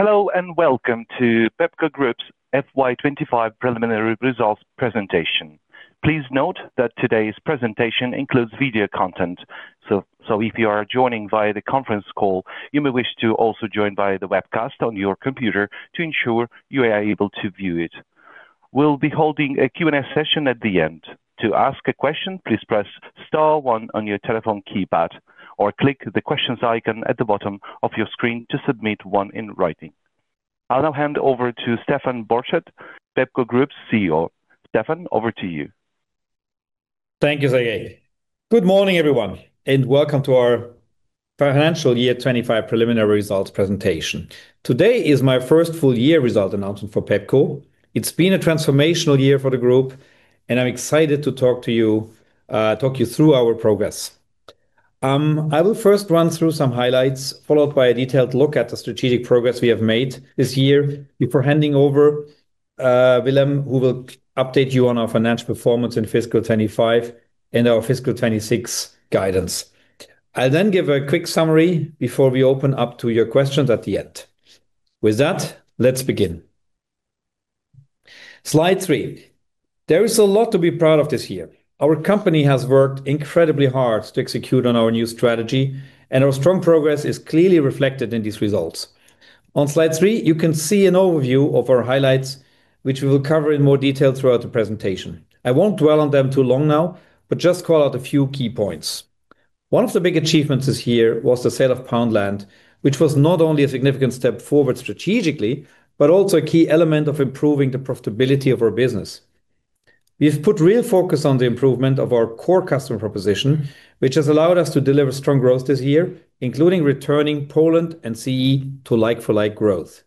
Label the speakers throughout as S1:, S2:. S1: Hello and welcome to Pepco Group's FY 2025 preliminary results presentation. Please note that today's presentation includes video content, so if you are joining via the conference call, you may wish to also join via the webcast on your computer to ensure you are able to view it. We'll be holding a Q&A session at the end. To ask a question, please press star one on your telephone keypad or click the questions icon at the bottom of your screen to submit one in writing. I'll now hand over to Stephan Borchert, Pepco Group's CEO. Stephan, over to you.
S2: Thank you. Good morning, everyone, and welcome to our financial year 2025 preliminary results presentation. Today is my first full year result announcement for Pepco. It's been a transformational year for the group, and I'm excited to talk to you, talk you through our progress. I will first run through some highlights, followed by a detailed look at the strategic progress we have made this year before handing over, Willem, who will update you on our financial performance in fiscal 2025 and our fiscal 2026 guidance. I'll then give a quick summary before we open up to your questions at the end. With that, let's begin. Slide three. There is a lot to be proud of this year. Our company has worked incredibly hard to execute on our new strategy, and our strong progress is clearly reflected in these results. On slide three, you can see an overview of our highlights, which we will cover in more detail throughout the presentation. I won't dwell on them too long now, but just call out a few key points. One of the big achievements this year was the sale of Poundland, which was not only a significant step forward strategically, but also a key element of improving the profitability of our business. We have put real focus on the improvement of our core customer proposition, which has allowed us to deliver strong growth this year, including returning Poland and CEE to like-for-like growth.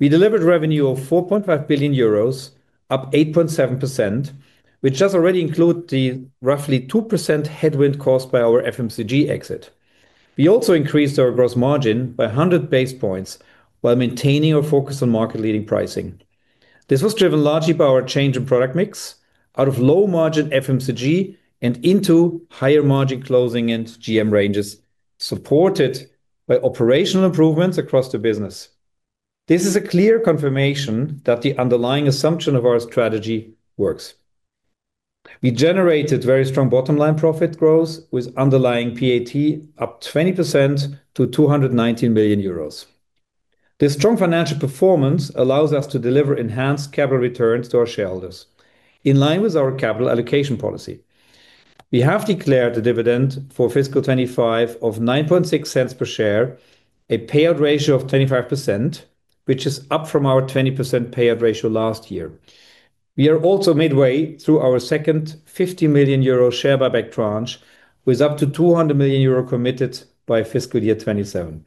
S2: We delivered revenue of 4.5 billion euros, up 8.7%, which does already include the roughly 2% headwind cost by our FMCG exit. We also increased our gross margin by 100 basis points while maintaining our focus on market-leading pricing. This was driven largely by our change in product mix out of low-margin FMCG and into higher-margin clothing and GM ranges, supported by operational improvements across the business. This is a clear confirmation that the underlying assumption of our strategy works. We generated very strong bottom-line profit growth with underlying PAT up 20% to 219 million euros. This strong financial performance allows us to deliver enhanced capital returns to our shareholders, in line with our capital allocation policy. We have declared a dividend for fiscal 2025 of 0.096 per share, a payout ratio of 25%, which is up from our 20% payout ratio last year. We are also midway through our second €50 million share buyback tranche with up to 200 million euro committed by fiscal year 2027,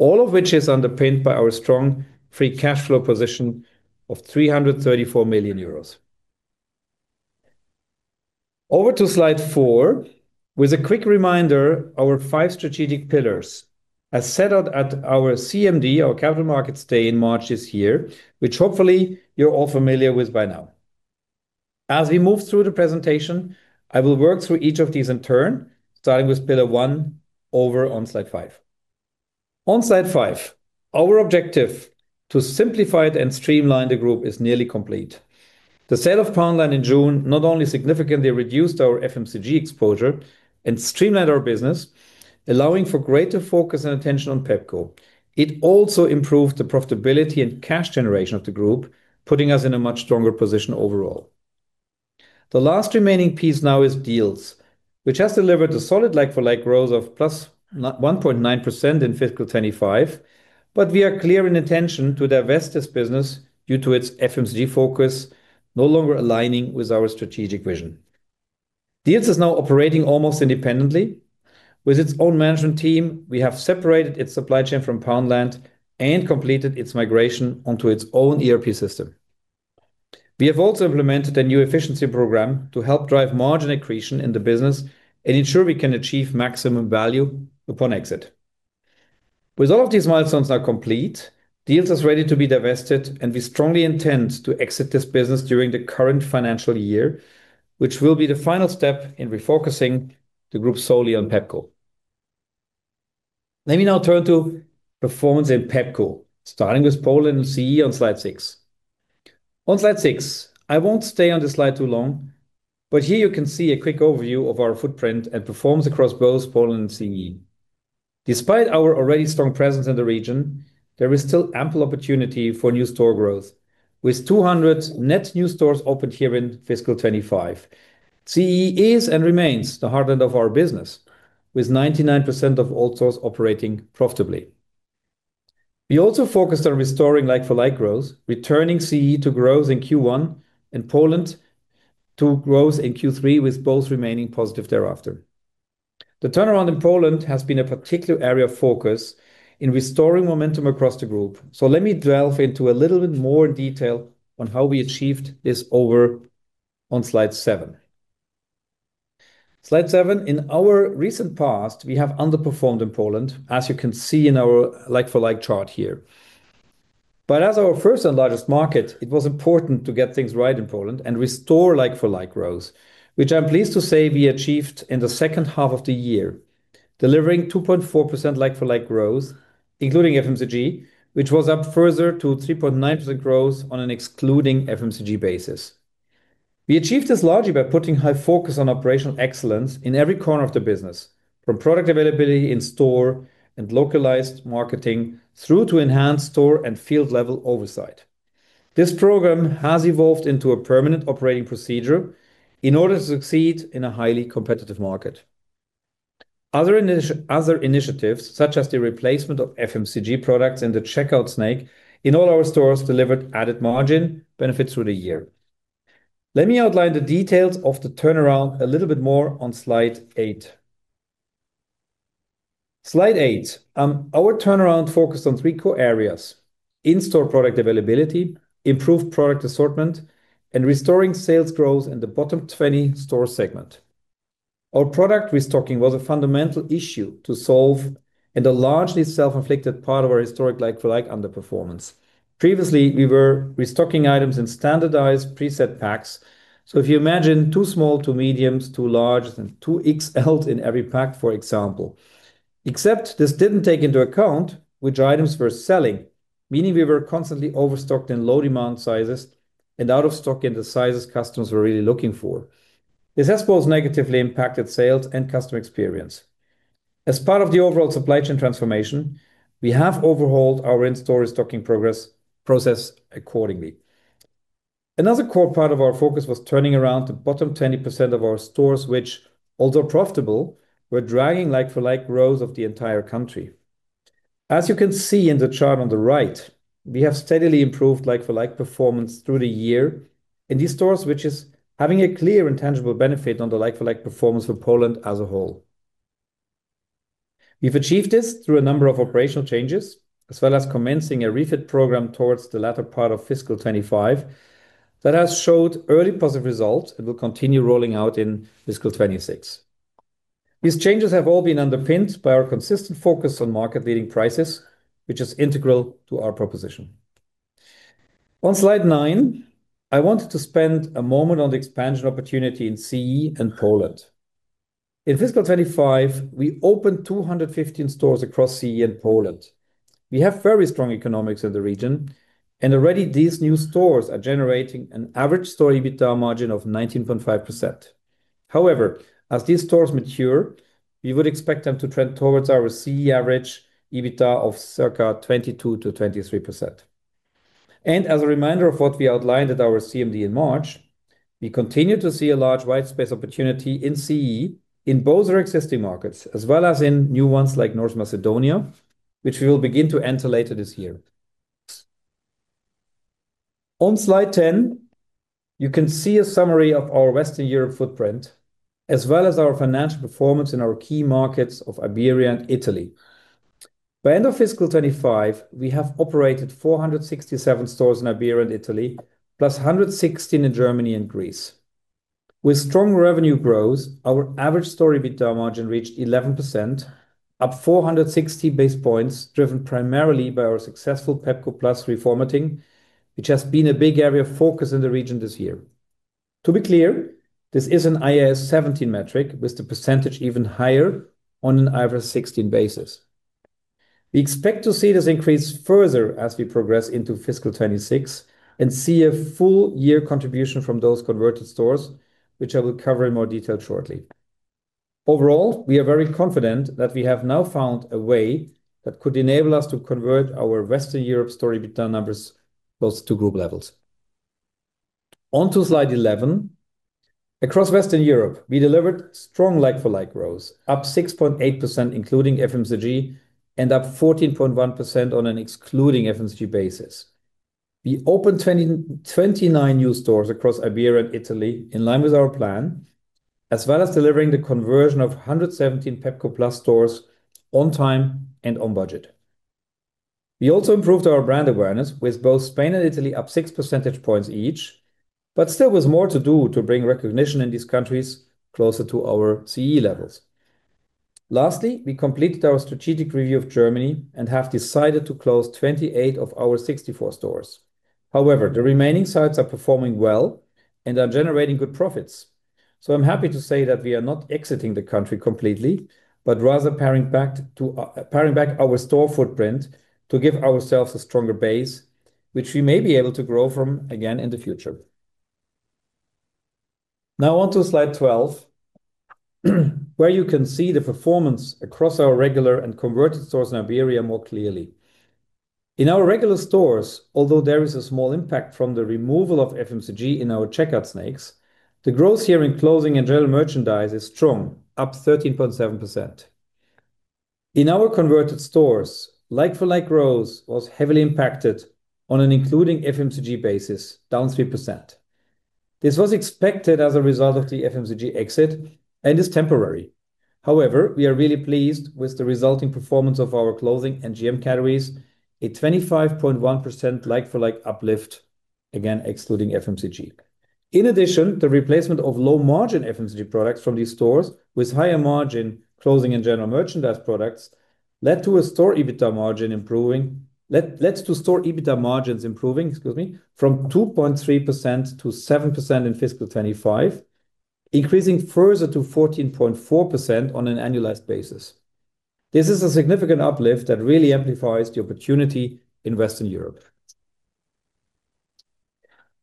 S2: all of which is underpinned by our strong free cash flow position of 334 million euros. Over to slide four, with a quick reminder, our five strategic pillars are set out at our CMD, our Capital Markets Day in March this year, which hopefully you're all familiar with by now. As we move through the presentation, I will work through each of these in turn, starting with pillar one over on slide five. On slide five, our objective to simplify and streamline the group is nearly complete. The sale of Poundland in June not only significantly reduced our FMCG exposure and streamlined our business, allowing for greater focus and attention on Pepco. It also improved the profitability and cash generation of the group, putting us in a much stronger position overall. The last remaining piece now is Dealz, which has delivered a solid like-for-like growth of plus 1.9% in fiscal 2025, but we are clear in intention to divest this business due to its FMCG focus no longer aligning with our strategic vision. Dealz is now operating almost independently with its own management team. We have separated its supply chain from Poundland and completed its migration onto its own ERP system. We have also implemented a new efficiency program to help drive margin accretion in the business and ensure we can achieve maximum value upon exit. With all of these milestones now complete, Dealz is ready to be divested, and we strongly intend to exit this business during the current financial year, which will be the final step in refocusing the group solely on Pepco. Let me now turn to performance in Pepco, starting with Poland and CEE on slide six. On slide six, I won't stay on this slide too long, but here you can see a quick overview of our footprint and performance across both Poland and CEE. Despite our already strong presence in the region, there is still ample opportunity for new store growth, with 200 net new stores opened here in fiscal 2025. CEE is and remains the heartland of our business, with 99% of all stores operating profitably. We also focused on restoring like-for-like growth, returning CEE to growth in Q1 and Poland to growth in Q3, with both remaining positive thereafter. The turnaround in Poland has been a particular area of focus in restoring momentum across the group. So let me delve into a little bit more detail on how we achieved this over on slide seven. Slide seven, in our recent past, we have underperformed in Poland, as you can see in our like-for-like chart here. But as our first and largest market, it was important to get things right in Poland and restore like-for-like growth, which I'm pleased to say we achieved in the second half of the year, delivering 2.4% like-for-like growth, including FMCG, which was up further to 3.9% growth on an excluding FMCG basis. We achieved this largely by putting high focus on operational excellence in every corner of the business, from product availability in store and localized marketing through to enhanced store and field-level oversight. This program has evolved into a permanent operating procedure in order to succeed in a highly competitive market. Other initiatives, such as the replacement of FMCG products and the checkout snake in all our stores, delivered added margin benefits through the year. Let me outline the details of the turnaround a little bit more on slide eight. Slide eight, our turnaround focused on three core areas: in-store product availability, improved product assortment, and restoring sales growth in the bottom 20 store segment. Our product restocking was a fundamental issue to solve and a largely self-inflicted part of our historic like-for-like underperformance. Previously, we were restocking items in standardized preset packs. So if you imagine two small to mediums, two larges, and two XLs in every pack, for example, except this didn't take into account which items we're selling, meaning we were constantly overstocked in low-demand sizes and out of stock in the sizes customers were really looking for. This has both negatively impacted sales and customer experience. As part of the overall supply chain transformation, we have overhauled our in-store restocking process accordingly. Another core part of our focus was turning around the bottom 20% of our stores, which, although profitable, were dragging like-for-like growth of the entire country. As you can see in the chart on the right, we have steadily improved like-for-like performance through the year in these stores, which is having a clear and tangible benefit on the like-for-like performance for Poland as a whole. We've achieved this through a number of operational changes, as well as commencing a refit program towards the latter part of fiscal 2025 that has showed early positive results and will continue rolling out in fiscal 2026. These changes have all been underpinned by our consistent focus on market-leading prices, which is integral to our proposition. On slide nine, I wanted to spend a moment on the expansion opportunity in CEE and Poland. In fiscal 2025, we opened 215 stores across CEE and Poland. We have very strong economics in the region, and already these new stores are generating an average store EBITDA margin of 19.5%. However, as these stores mature, we would expect them to trend towards our CEE average EBITDA of circa 22%-23%. And as a reminder of what we outlined at our CMD in March, we continue to see a large white space opportunity in CE in both our existing markets, as well as in new ones like North Macedonia, which we will begin to enter later this year. On slide 10, you can see a summary of our Western Europe footprint, as well as our financial performance in our key markets of Iberia and Italy. By the end of fiscal 2025, we have operated 467 stores in Iberia and Italy, plus 116 in Germany and Greece. With strong revenue growth, our average store EBITDA margin reached 11%, up 460 basis points, driven primarily by our successful Pepco Plus reformatting, which has been a big area of focus in the region this year. To be clear, this is an IAS 17 metric, with the percentage even higher on an IFRS 16 basis. We expect to see this increase further as we progress into fiscal 2026 and see a full year contribution from those converted stores, which I will cover in more detail shortly. Overall, we are very confident that we have now found a way that could enable us to convert our Western Europe store EBITDA numbers both to group levels. Onto slide 11. Across Western Europe, we delivered strong like-for-like growth, up 6.8% including FMCG and up 14.1% on an excluding FMCG basis. We opened 29 new stores across Iberia and Italy in line with our plan, as well as delivering the conversion of 117 Pepco Plus stores on time and on budget. We also improved our brand awareness with both Spain and Italy up six percentage points each, but still with more to do to bring recognition in these countries closer to our CEE levels. Lastly, we completed our strategic review of Germany and have decided to close 28 of our 64 stores. However, the remaining sites are performing well and are generating good profits. So I'm happy to say that we are not exiting the country completely, but rather paring back our store footprint to give ourselves a stronger base, which we may be able to grow from again in the future. Now onto slide 12, where you can see the performance across our regular and converted stores in Iberia more clearly. In our regular stores, although there is a small impact from the removal of FMCG in our checkout snake, the growth here in clothing and general merchandise is strong, up 13.7%. In our converted stores, like-for-like growth was heavily impacted on an including FMCG basis, down 3%. This was expected as a result of the FMCG exit and is temporary. However, we are really pleased with the resulting performance of our clothing and GM categories, a 25.1% like-for-like uplift, again excluding FMCG. In addition, the replacement of low-margin FMCG products from these stores with higher-margin clothing and general merchandise products led to store EBITDA margins improving, excuse me, from 2.3% to 7% in fiscal 2025, increasing further to 14.4% on an annualized basis. This is a significant uplift that really amplifies the opportunity in Western Europe.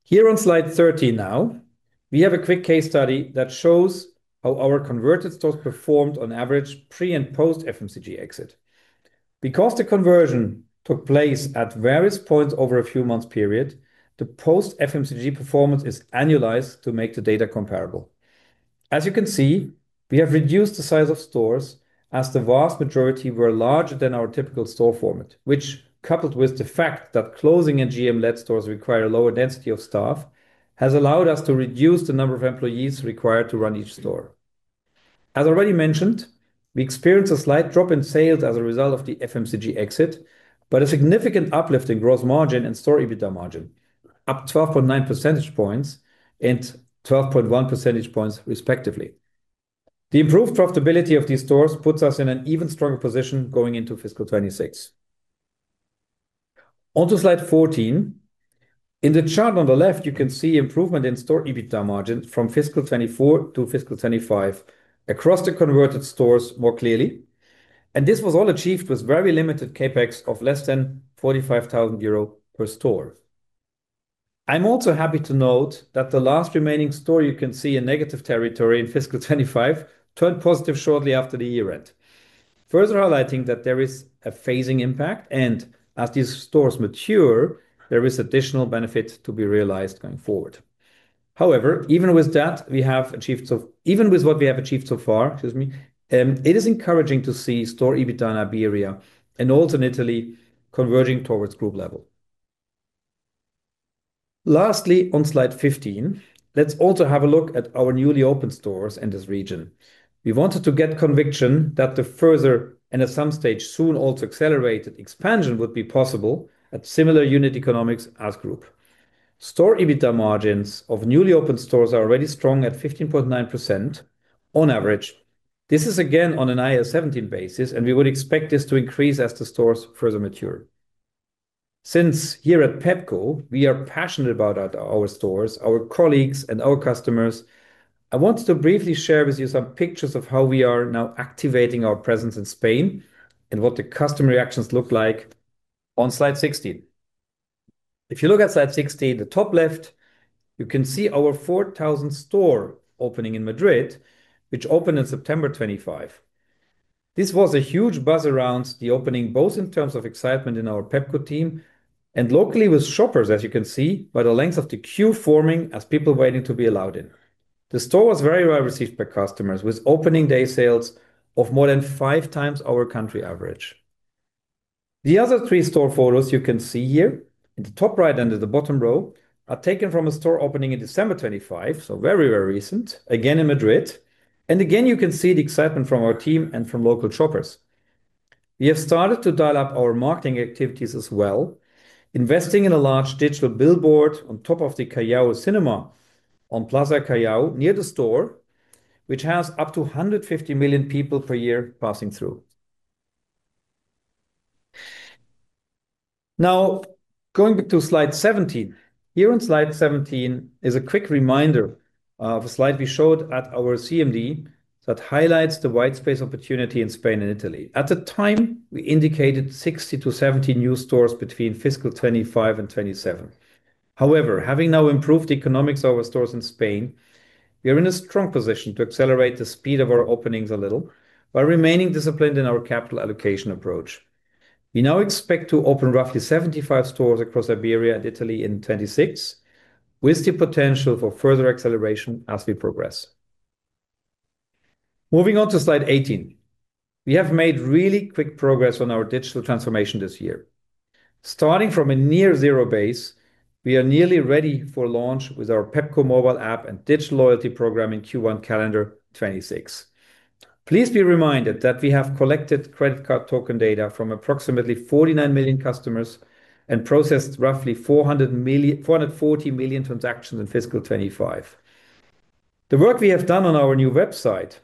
S2: Here on slide 13 now, we have a quick case study that shows how our converted stores performed on average pre and post FMCG exit. Because the conversion took place at various points over a few months' period, the post FMCG performance is annualized to make the data comparable. As you can see, we have reduced the size of stores as the vast majority were larger than our typical store format, which, coupled with the fact that clothing and GM-led stores require a lower density of staff, has allowed us to reduce the number of employees required to run each store. As already mentioned, we experienced a slight drop in sales as a result of the FMCG exit, but a significant uplift in gross margin and store EBITDA margin, up 12.9 percentage points and 12.1 percentage points respectively. The improved profitability of these stores puts us in an even stronger position going into fiscal 2026. Onto slide 14. In the chart on the left, you can see improvement in store EBITDA margin from fiscal 2024 to fiscal 2025 across the converted stores more clearly. And this was all achieved with very limited CapEx of less than 45,000 euro per store. I'm also happy to note that the last remaining store you can see in negative territory in fiscal 2025 turned positive shortly after the year-end, further highlighting that there is a phasing impact, and as these stores mature, there is additional benefit to be realized going forward. However, even with that, we have achieved, even with what we have achieved so far, excuse me, it is encouraging to see store EBITDA in Iberia and also in Italy converging towards group level. Lastly, on slide 15, let's also have a look at our newly opened stores in this region. We wanted to get conviction that the further, and at some stage soon also accelerated, expansion would be possible at similar unit economics as group. Store EBITDA margins of newly opened stores are already strong at 15.9% on average. This is again on an IAS 17 basis, and we would expect this to increase as the stores further mature. Since here at Pepco, we are passionate about our stores, our colleagues, and our customers, I want to briefly share with you some pictures of how we are now activating our presence in Spain and what the customer reactions look like on slide 16. If you look at slide 16, the top left, you can see our 4,000th store opening in Madrid, which opened in September 2025. This was a huge buzz around the opening, both in terms of excitement in our Pepco team and locally with shoppers, as you can see, by the length of the queue forming as people waiting to be allowed in. The store was very well received by customers, with opening day sales of more than five times our country average. The other three store photos you can see here in the top right and in the bottom row are taken from a store opening in December 2025, so very, very recent, again in Madrid, and again, you can see the excitement from our team and from local shoppers. We have started to dial up our marketing activities as well, investing in a large digital billboard on top of the Callao Cinema on Plaza Callao near the store, which has up to 150 million people per year passing through. Now, going back to slide 17, here on slide 17 is a quick reminder of a slide we showed at our CMD that highlights the white space opportunity in Spain and Italy. At the time, we indicated 60-70 new stores between fiscal 2025 and 2027. However, having now improved the economics of our stores in Spain, we are in a strong position to accelerate the speed of our openings a little while remaining disciplined in our capital allocation approach. We now expect to open roughly 75 stores across Iberia and Italy in 2026, with the potential for further acceleration as we progress. Moving on to slide 18, we have made really quick progress on our digital transformation this year. Starting from a near zero base, we are nearly ready for launch with our Pepco mobile app and digital loyalty program in Q1 calendar 2026. Please be reminded that we have collected credit card token data from approximately 49 million customers and processed roughly 440 million transactions in fiscal 2025. The work we have done on our new website,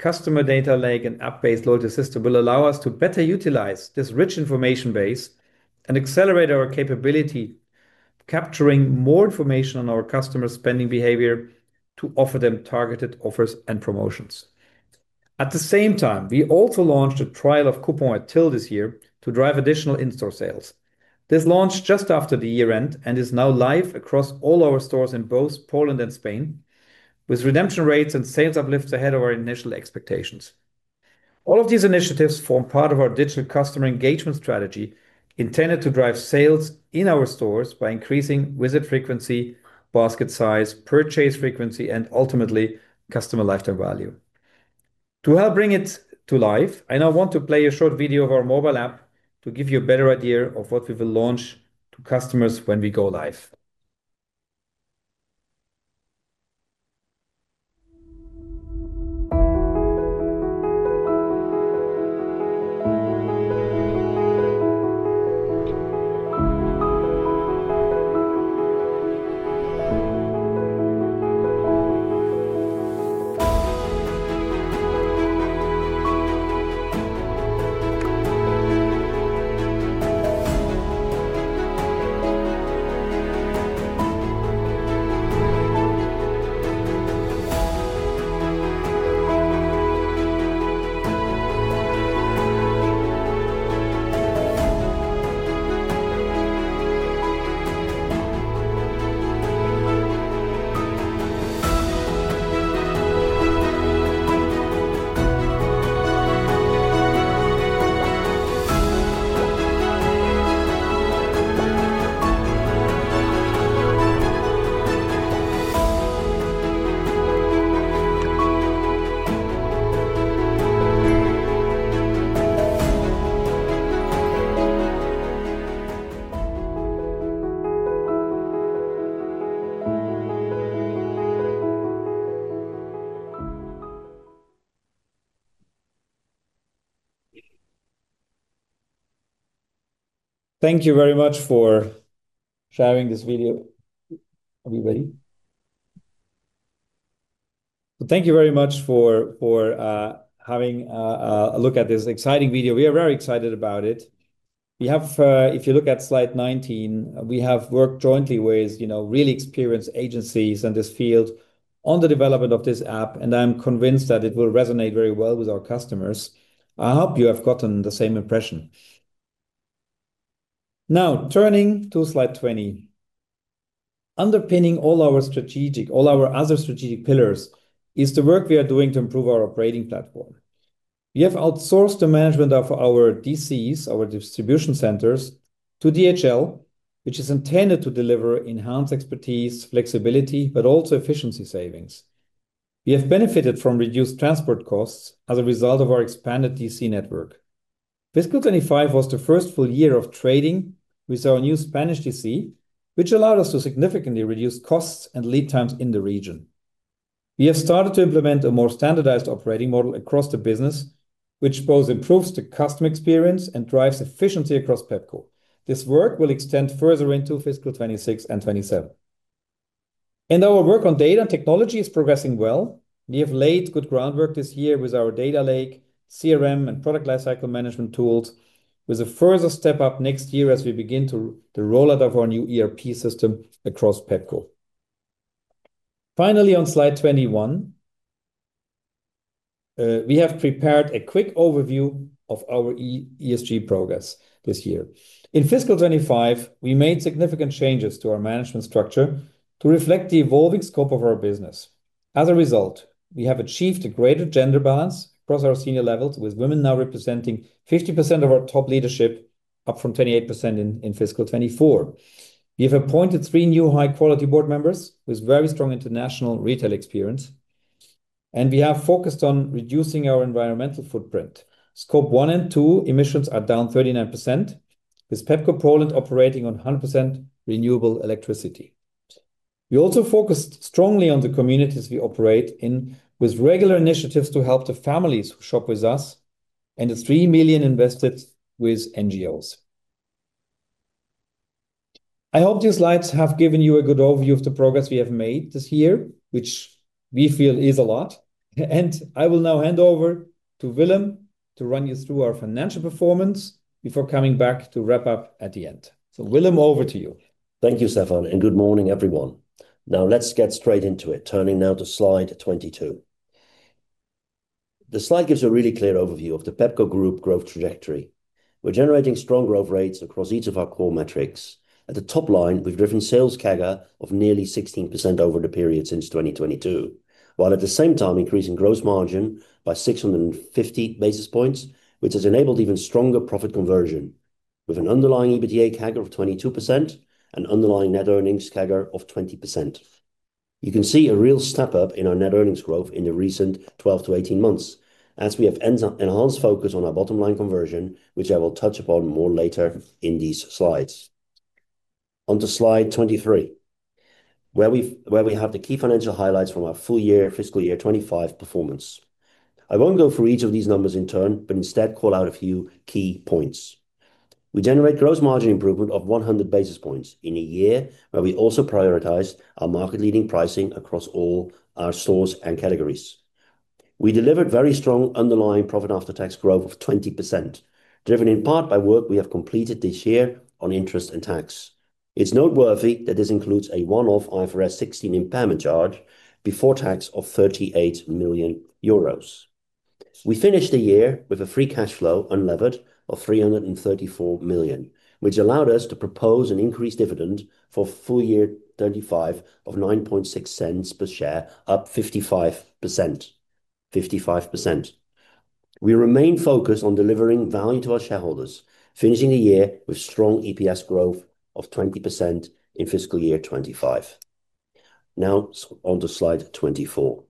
S2: customer data lake and app-based loyalty system will allow us to better utilize this rich information base and accelerate our capability of capturing more information on our customer spending behavior to offer them targeted offers and promotions. At the same time, we also launched a trial of coupon at till this year to drive additional in-store sales. This launched just after the year-end and is now live across all our stores in both Poland and Spain, with redemption rates and sales uplifts ahead of our initial expectations. All of these initiatives form part of our digital customer engagement strategy intended to drive sales in our stores by increasing visit frequency, basket size, purchase frequency, and ultimately customer lifetime value. To help bring it to life, I now want to play a short video of our mobile app to give you a better idea of what we will launch to customers when we go live. Thank you very much for sharing this video, everybody. Thank you very much for having a look at this exciting video. We are very excited about it. We have, if you look at slide 19, we have worked jointly with, you know, really experienced agencies in this field on the development of this app, and I'm convinced that it will resonate very well with our customers. I hope you have gotten the same impression. Now, turning to slide 20, underpinning all our strategic, all our other strategic pillars is the work we are doing to improve our operating platform. We have outsourced the management of our DCs, our distribution centers, to DHL, which is intended to deliver enhanced expertise, flexibility, but also efficiency savings. We have benefited from reduced transport costs as a result of our expanded DC network. Fiscal 2025 was the first full year of trading with our new Spanish DC, which allowed us to significantly reduce costs and lead times in the region. We have started to implement a more standardized operating model across the business, which both improves the customer experience and drives efficiency across Pepco. This work will extend further into fiscal 2026 and 2027, and our work on data and technology is progressing well. We have laid good groundwork this year with our data lake, CRM, and product lifecycle management tools, with a further step up next year as we begin to roll out our new ERP system across Pepco. Finally, on slide 21, we have prepared a quick overview of our ESG progress this year. In fiscal 2025, we made significant changes to our management structure to reflect the evolving scope of our business. As a result, we have achieved a greater gender balance across our senior levels, with women now representing 50% of our top leadership, up from 28% in fiscal 2024. We have appointed three new high-quality board members with very strong international retail experience, and we have focused on reducing our environmental footprint. Scope 1 and 2 emissions are down 39%, with Pepco Poland operating on 100% renewable electricity. We also focused strongly on the communities we operate in, with regular initiatives to help the families who shop with us and the 3 million invested with NGOs. I hope these slides have given you a good overview of the progress we have made this year, which we feel is a lot. And I will now hand over to Willem to run you through our financial performance before coming back to wrap up at the end. So, Willem, over to you.
S3: Thank you, Stephan, and good morning, everyone. Now, let's get straight into it, turning now to slide 22. The slide gives a really clear overview of the Pepco Group growth trajectory. We're generating strong growth rates across each of our core metrics. At the top line, we've driven sales CAGR of nearly 16% over the period since 2022, while at the same time increasing gross margin by 650 basis points, which has enabled even stronger profit conversion, with an underlying EBITDA CAGR of 22% and underlying net earnings CAGR of 20%. You can see a real step up in our net earnings growth in the recent 12 to 18 months, as we have enhanced focus on our bottom line conversion, which I will touch upon more later in these slides. Onto slide 23, where we have the key financial highlights from our full year, fiscal year 2025 performance. I won't go through each of these numbers in turn, but instead call out a few key points. We generate gross margin improvement of 100 basis points in a year, where we also prioritize our market-leading pricing across all our stores and categories. We delivered very strong underlying profit after tax growth of 20%, driven in part by work we have completed this year on interest and tax. It's noteworthy that this includes a one-off IFRS 16 impairment charge before tax of 38 million euros. We finished the year with a free cash flow unlevered of 334 million, which allowed us to propose an increased dividend for full year 2025 of 0.096 per share, up 55%. We remain focused on delivering value to our shareholders, finishing the year with strong EPS growth of 20% in fiscal year2025. Now, onto slide 24.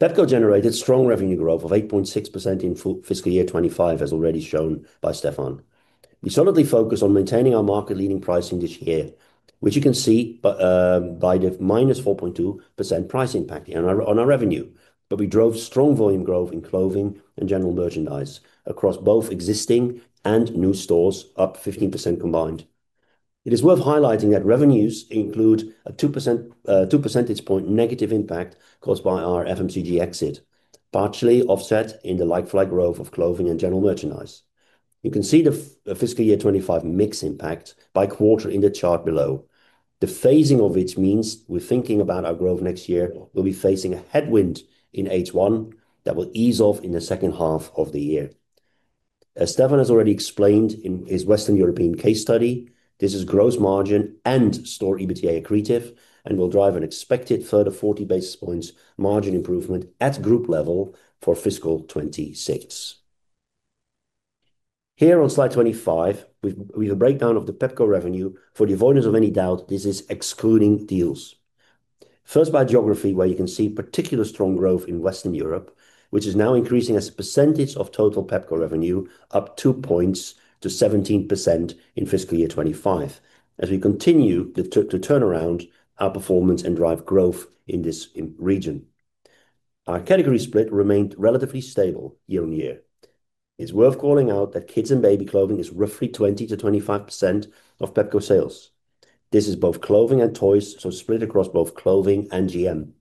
S3: Pepco generated strong revenue growth of 8.6% in fiscal year 2025, as already shown by Stephan. We solidly focus on maintaining our market-leading pricing this year, which you can see by the minus 4.2% price impact on our revenue, but we drove strong volume growth in clothing and general merchandise across both existing and new stores, up 15% combined. It is worth highlighting that revenues include a 2% negative impact caused by our FMCG exit, partially offset in the like-for-like growth of clothing and general merchandise. You can see the fiscal year 2025 mix impact by quarter in the chart below. The phasing of which means we're thinking about our growth next year. We'll be facing a headwind in H1 that will ease off in the second half of the year. As Stephan has already explained in his Western European case study, this is gross margin and store EBITDA accretive, and will drive an expected further 40 basis points margin improvement at group level for fiscal 2026. Here on slide 25, we have a breakdown of the Pepco revenue. For the avoidance of any doubt, this is excluding Dealz. First, by geography, where you can see particularly strong growth in Western Europe, which is now increasing as a percentage of total Pepco revenue, up 2 points to 17% in fiscal year 2025, as we continue to turn around our performance and drive growth in this region. Our category split remained relatively stable year-on-year. It's worth calling out that kids and baby clothing is roughly 20%-25% of Pepco sales. This is both clothing and toys, so split across both clothing and GM.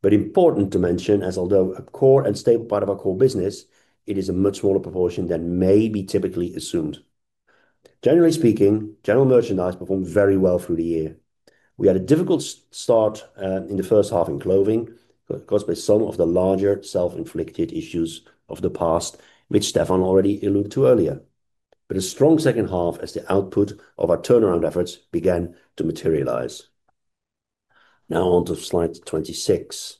S3: But important to mention, as although a core and stable part of our core business, it is a much smaller proportion than may be typically assumed. Generally speaking, general merchandise performed very well through the year. We had a difficult start in the first half in clothing, caused by some of the larger self-inflicted issues of the past, which Stephan already alluded to earlier. But a strong second half as the output of our turnaround efforts began to materialize. Now, onto slide 26.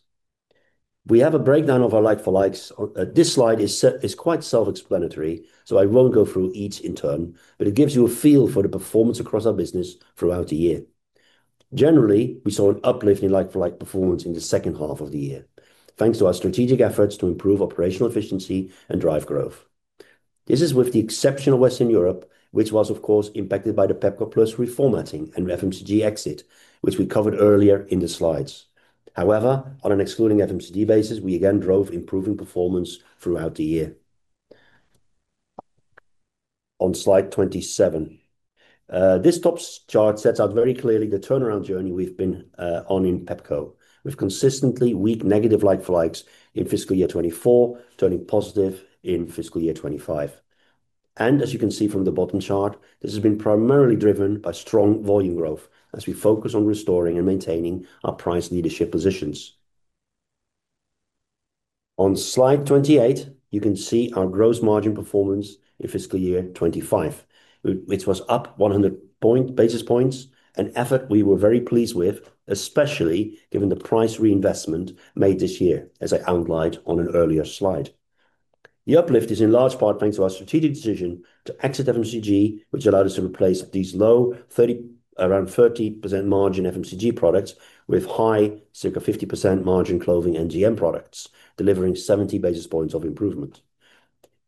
S3: We have a breakdown of our like-for-likes. This slide is quite self-explanatory, so I won't go through each in turn, but it gives you a feel for the performance across our business throughout the year. Generally, we saw an uplift in like-for-like performance in the second half of the year, thanks to our strategic efforts to improve operational efficiency and drive growth. This is with the exception of Western Europe, which was, of course, impacted by the Pepco Plus reformatting and FMCG exit, which we covered earlier in the slides. However, on an excluding FMCG basis, we again drove improving performance throughout the year. On slide 27, this top chart sets out very clearly the turnaround journey we've been on in Pepco, with consistently weak negative like-for-likes in fiscal year 2024 turning positive in fiscal year 2025. As you can see from the bottom chart, this has been primarily driven by strong volume growth as we focus on restoring and maintaining our price leadership positions. On slide 28, you can see our gross margin performance in fiscal year 2025, which was up 100 basis points, an effort we were very pleased with, especially given the price reinvestment made this year, as I outlined on an earlier slide. The uplift is in large part thanks to our strategic decision to exit FMCG, which allowed us to replace these low 30, around 30% margin FMCG products with high, circa 50% margin clothing and GM products, delivering 70 basis points of improvement.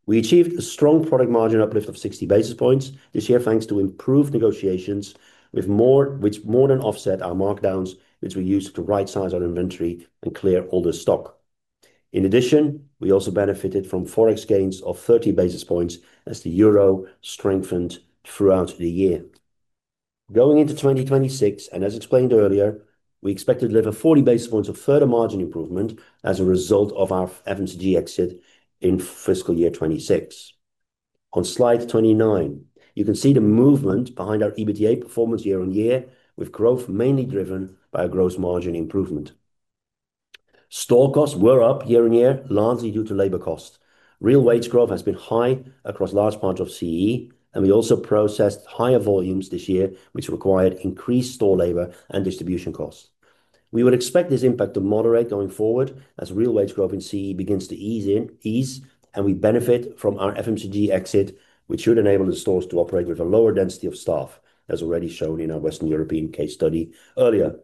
S3: We achieved a strong product margin uplift of 60 basis points this year, thanks to improved negotiations, which more than offset our markdowns, which we used to right-size our inventory and clear all the stock. In addition, we also benefited from forex gains of 30 basis points as the euro strengthened throughout the year. Going into 2026, and as explained earlier, we expected to deliver 40 basis points of further margin improvement as a result of our FMCG exit in fiscal year 2026. On slide 29, you can see the movement behind our EBITDA performance year-on-year, with growth mainly driven by our gross margin improvement. Store costs were up year-on-year, largely due to labor costs. Real wage growth has been high across large parts of CEE, and we also processed higher volumes this year, which required increased store labor and distribution costs. We would expect this impact to moderate going forward as real wage growth in CEE begins to ease in, and we benefit from our FMCG exit, which should enable the stores to operate with a lower density of staff, as already shown in our Western European case study earlier.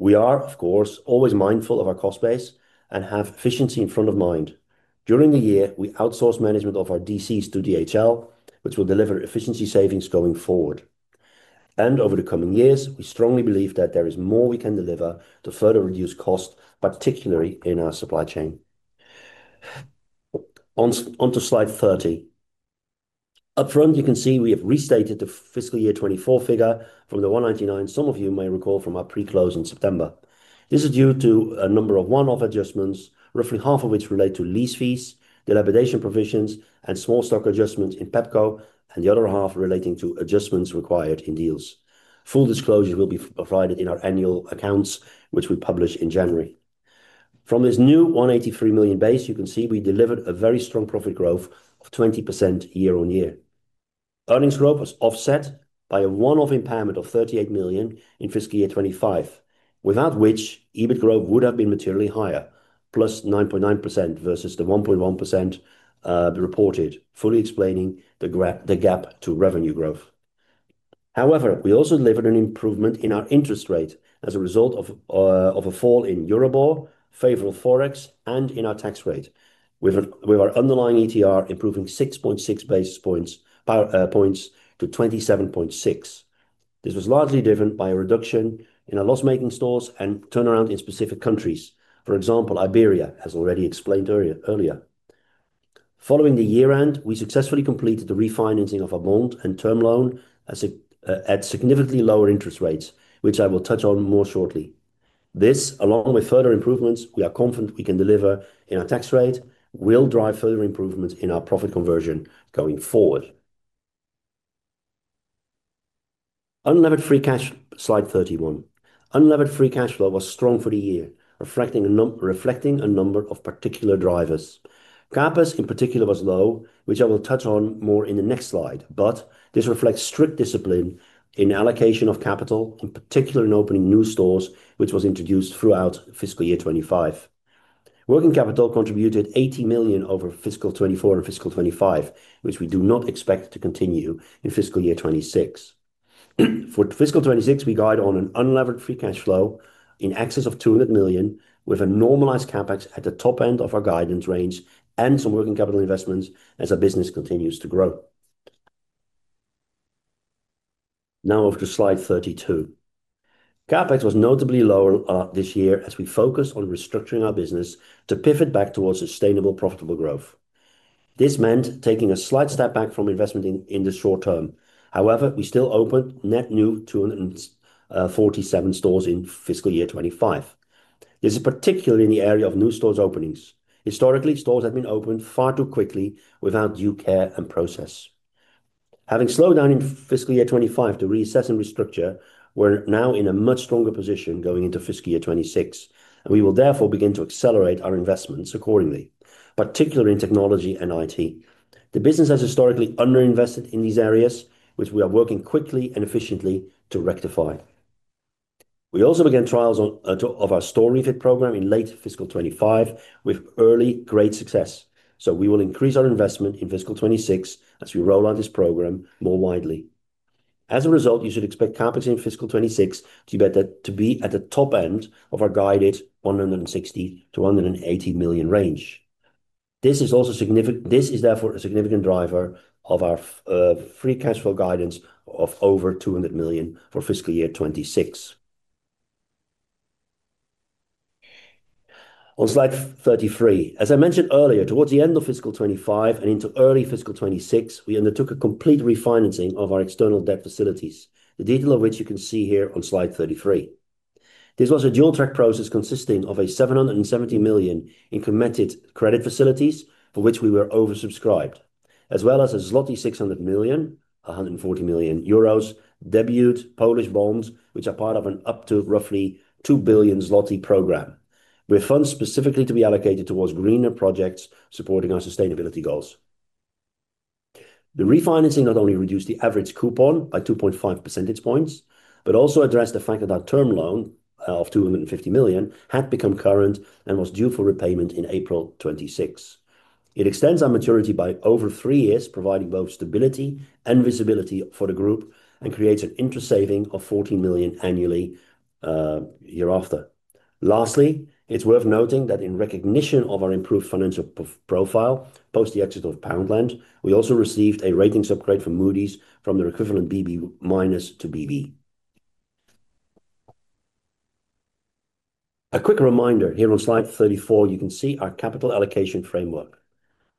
S3: We are, of course, always mindful of our cost base and have efficiency in front of mind. During the year, we outsource management of our DCs to DHL, which will deliver efficiency savings going forward. And over the coming years, we strongly believe that there is more we can deliver to further reduce costs, particularly in our supply chain. Onto slide 30. Upfront, you can see we have restated the fiscal year 2024 figure from the 199, some of you may recall from our pre-close in September. This is due to a number of one-off adjustments, roughly half of which relate to lease fees, dilapidation provisions, and small stock adjustments in Pepco, and the other half relating to adjustments required in Dealz. Full disclosures will be provided in our annual accounts, which we publish in January. From this new 183 million base, you can see we delivered a very strong profit growth of 20% year-on-year. Earnings growth was offset by a one-off impairment of 38 million in fiscal year 2025, without which EBIT growth would have been materially higher, plus 9.9% versus the 1.1% reported, fully explaining the gap to revenue growth. However, we also delivered an improvement in our interest rate as a result of a fall in Euribor, favorable forex, and in our tax rate, with our underlying ETR improving 6.6 basis points to 27.6%. This was largely driven by a reduction in our loss-making stores and turnaround in specific countries, for example, Iberia, as already explained earlier. Following the year-end, we successfully completed the refinancing of our bond and term loan at significantly lower interest rates, which I will touch on more shortly. This, along with further improvements we are confident we can deliver in our tax rate, will drive further improvements in our profit conversion going forward. Unlevered free cash, slide 31. Unlevered free cash flow was strong for the year, reflecting a number of particular drivers. CapEx, in particular, was low, which I will touch on more in the next slide, but this reflects strict discipline in allocation of capital, in particular in opening new stores, which was introduced throughout fiscal year 25. Working capital contributed 80 million over fiscal 2024 and fiscal 2025, which we do not expect to continue in fiscal year 2026. For fiscal 2026, we guide on an unlevered free cash flow in excess of 200 million, with a normalized CapEx at the top end of our guidance range and some working capital investments as our business continues to grow. Now, over to slide 32. CapEx was notably lower this year as we focused on restructuring our business to pivot back towards sustainable, profitable growth. This meant taking a slight step back from investment in the short term. However, we still opened net new 247 stores in fiscal year 2025. This is particularly in the area of new stores openings. Historically, stores had been opened far too quickly without due care and process. Having slowed down in fiscal year 2025 to reassess and restructure, we're now in a much stronger position going into fiscal year 2026, and we will therefore begin to accelerate our investments accordingly, particularly in technology and IT. The business has historically underinvested in these areas, which we are working quickly and efficiently to rectify. We also began trials of our store refit program in late fiscal 2025 with early great success, so we will increase our investment in fiscal 2026 as we roll out this program more widely. As a result, you should expect CapEx in fiscal 2026 to be at the top end of our guided 160 million-180 million range. This is also significant. This is therefore a significant driver of our free cash flow guidance of over 200 million for fiscal year 2026. On slide 33, as I mentioned earlier, towards the end of fiscal 2025 and into early fiscal 2026, we undertook a complete refinancing of our external debt facilities, the detail of which you can see here on slide 33. This was a dual-track process consisting of 770 million in committed credit facilities for which we were oversubscribed, as well as zloty 600 million, 140 million euros debut Polish bonds, which are part of an up to roughly 2 billion zloty program, with funds specifically to be allocated towards greener projects supporting our sustainability goals. The refinancing not only reduced the average coupon by 2.5 percentage points, but also addressed the fact that our term loan of 250 million had become current and was due for repayment in April 2026. It extends our maturity by over three years, providing both stability and visibility for the group and creates an interest saving of 14 million annually year after. Lastly, it's worth noting that in recognition of our improved financial profile post the exit of Poundland, we also received a rating upgrade from Moody's from the equivalent BB- to BB. A quick reminder here on slide 34, you can see our capital allocation framework.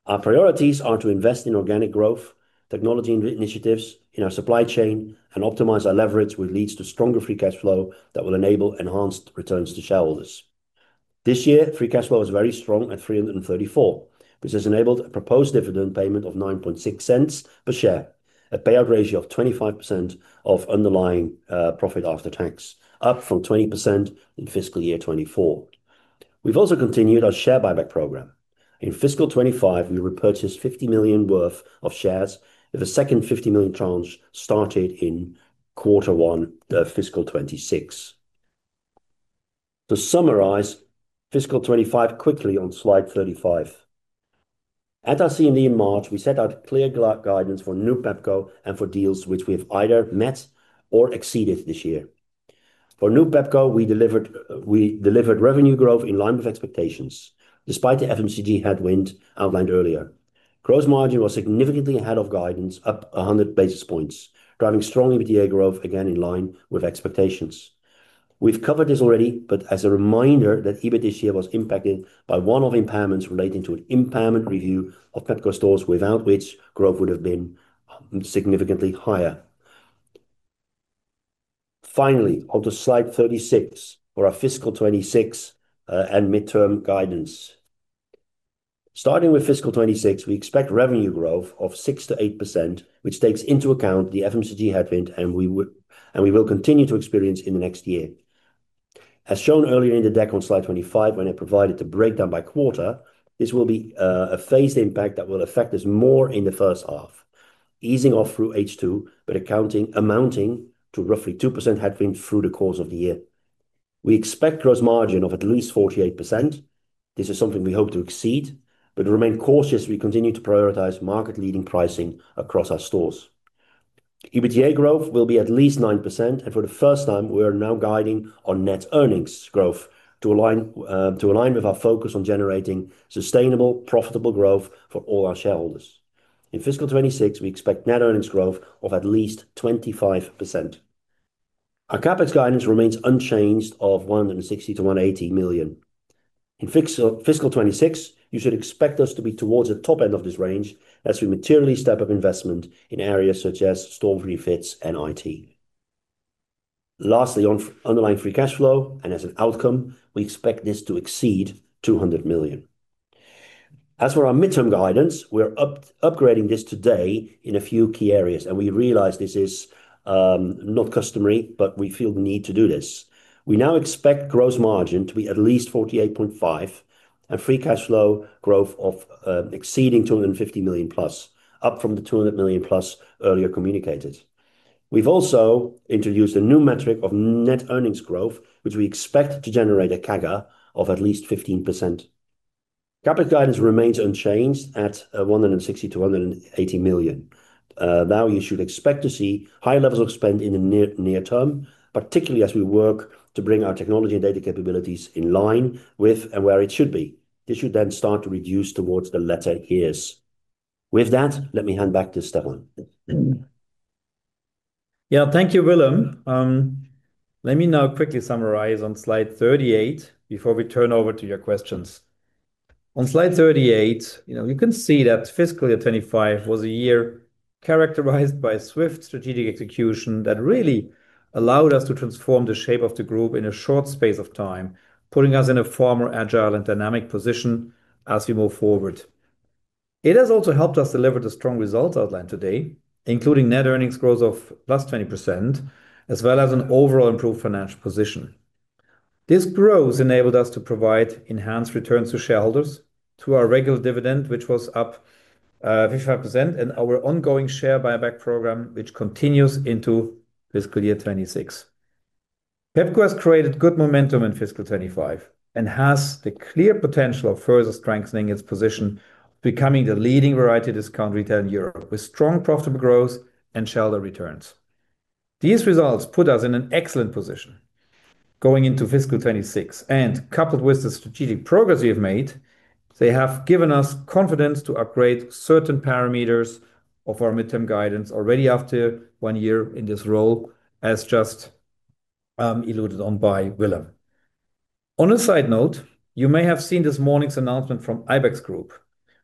S3: Our priorities are to invest in organic growth, technology initiatives in our supply chain, and optimize our leverage, which leads to stronger free cash flow that will enable enhanced returns to shareholders. This year, free cash flow was very strong at 334 million, which has enabled a proposed dividend payment of 0.096 per share, a payout ratio of 25% of underlying profit after tax, up from 20% in fiscal year 2024. We've also continued our share buyback program. In fiscal 2025, we repurchased 50 million worth of shares, with a second 50 million tranche started in quarter one of fiscal 2026. To summarize fiscal 2025 quickly on slide 35, at our CMD in March, we set out clear guidance for new Pepco and for Dealz which we have either met or exceeded this year. For new Pepco, we delivered revenue growth in line with expectations, despite the FMCG headwind outlined earlier. Gross margin was significantly ahead of guidance, up 100 basis points, driving strong EBITDA growth again in line with expectations. We've covered this already, but as a reminder that EBIT this year was impacted by one-off impairments relating to an impairment review of Pepco stores, without which growth would have been significantly higher. Finally, onto slide 36 for our fiscal 2026 and midterm guidance. Starting with fiscal 2026, we expect revenue growth of 6%-8%, which takes into account the FMCG headwind and we will continue to experience in the next year. As shown earlier in the deck on slide 25, when I provided the breakdown by quarter, this will be a phased impact that will affect us more in the first half, easing off through H2, but accounting amounting to roughly 2% headwind through the course of the year. We expect gross margin of at least 48%. This is something we hope to exceed, but remain cautious as we continue to prioritize market-leading pricing across our stores. EBITDA growth will be at least 9%, and for the first time, we are now guiding our net earnings growth to align with our focus on generating sustainable, profitable growth for all our shareholders. In fiscal 2026, we expect net earnings growth of at least 25%. Our CapEx guidance remains unchanged of 160 million-180 million. In fiscal 2026, you should expect us to be towards the top end of this range as we materially step up investment in areas such as store refits and IT. Lastly, on underlying free cash flow and as an outcome, we expect this to exceed 200 million. As for our midterm guidance, we're upgrading this today in a few key areas, and we realize this is not customary, but we feel the need to do this. We now expect gross margin to be at least 48.5% and free cash flow growth of exceeding 250 million plus, up from the 200 million plus earlier communicated. We've also introduced a new metric of net earnings growth, which we expect to generate a CAGR of at least 15%. CapEx guidance remains unchanged at 160 million-180 million. Now you should expect to see high levels of spend in the near term, particularly as we work to bring our technology and data capabilities in line with and where it should be. This should then start to reduce towards the latter years. With that, let me hand back to Stephan.
S2: Yeah, thank you, Willem. Let me now quickly summarize on slide 38 before we turn over to your questions. On slide 38, you can see that fiscal year 2025 was a year characterized by swift strategic execution that really allowed us to transform the shape of the group in a short space of time, putting us in a firmer agile and dynamic position as we move forward. It has also helped us deliver the strong results outlined today, including net earnings growth of 20%, as well as an overall improved financial position. This growth enabled us to provide enhanced returns to shareholders, to our regular dividend, which was up 55%, and our ongoing share buyback program, which continues into fiscal year 2026. Pepco has created good momentum in fiscal 2025 and has the clear potential of further strengthening its position, becoming the leading variety discount retailer in Europe, with strong profitable growth and solid returns. These results put us in an excellent position going into fiscal 2026, and coupled with the strategic progress we have made, they have given us confidence to upgrade certain parameters of our mid-term guidance already after one year in this role, as just alluded to by Willem. On a side note, you may have seen this morning's announcement from Ibex Group.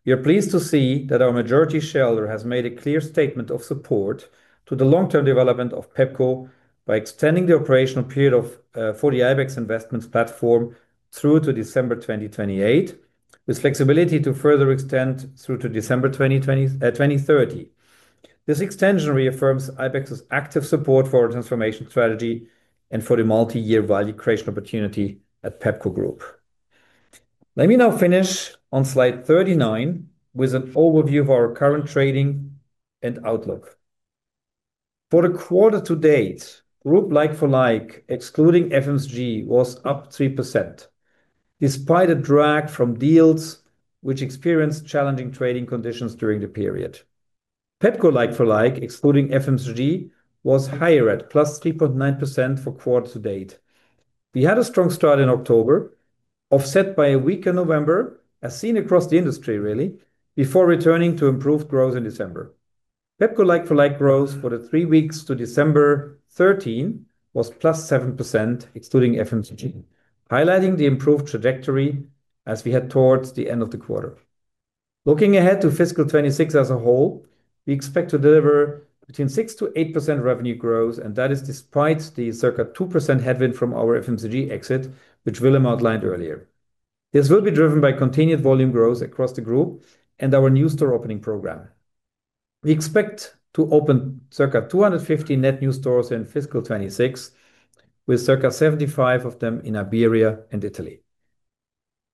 S2: We are pleased to see that our majority shareholder has made a clear statement of support to the long-term development of Pepco by extending the operational period for the Ibex investments platform through to December 2028, with flexibility to further extend through to December 2030. This extension reaffirms Ibex's active support for our transformation strategy and for the multi-year value creation opportunity at Pepco Group. Let me now finish on slide 39 with an overview of our current trading and outlook. For the quarter to date, group like-for-like, excluding FMCG, was up 3%, despite a drag from Dealz which experienced challenging trading conditions during the period. Pepco like-for-like, excluding FMCG, was higher at plus 3.9% for quarter to date. We had a strong start in October, offset by a weaker November, as seen across the industry, really, before returning to improved growth in December. Pepco like-for-like growth for the three weeks to December 13 was plus 7%, excluding FMCG, highlighting the improved trajectory as we head towards the end of the quarter. Looking ahead to fiscal 2026 as a whole, we expect to deliver between 6%-8% revenue growth, and that is despite the circa 2% headwind from our FMCG exit, which Willem outlined earlier. This will be driven by continued volume growth across the group and our new store opening program. We expect to open circa 250 net new stores in fiscal 2026, with circa 75 of them in Iberia and Italy.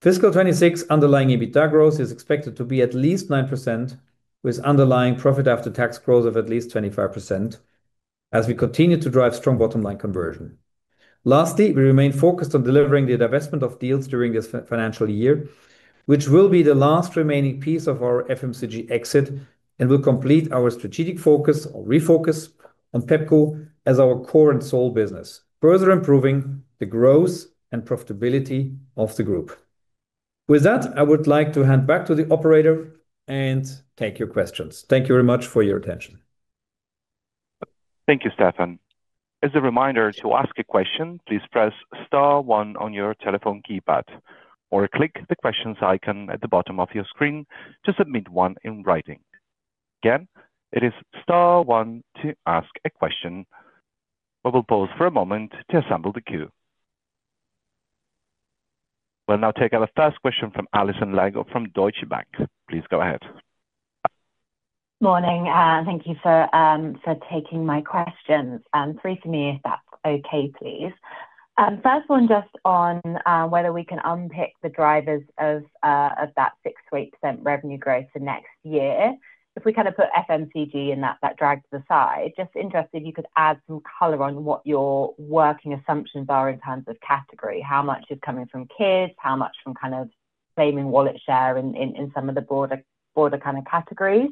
S2: Fiscal 2026 underlying EBITDA growth is expected to be at least 9%, with underlying profit after tax growth of at least 25% as we continue to drive strong bottom line conversion. Lastly, we remain focused on delivering the divestment of Dealz during this financial year, which will be the last remaining piece of our FMCG exit and will complete our strategic focus or refocus on Pepco as our core and sole business, further improving the growth and profitability of the group. With that, I would like to hand back to the operator and take your questions. Thank you very much for your attention.
S1: Thank you, Stephan. As a reminder, to ask a question, please press star one on your telephone keypad or click the questions icon at the bottom of your screen to submit one in writing. Again, it is star one to ask a question. We will pause for a moment to assemble the queue. We'll now take our first question from Alison Lygo from Deutsche Bank. Please go ahead.
S4: Good morning. Thank you for taking my questions. If that's okay, please. First one, just on whether we can unpick the drivers of that 6% revenue growth for next year. If we kind of put FMCG in that drag to the side, just interested if you could add some color on what your working assumptions are in terms of category. How much is coming from kids, how much from kind of claiming wallet share in some of the broader kind of categories?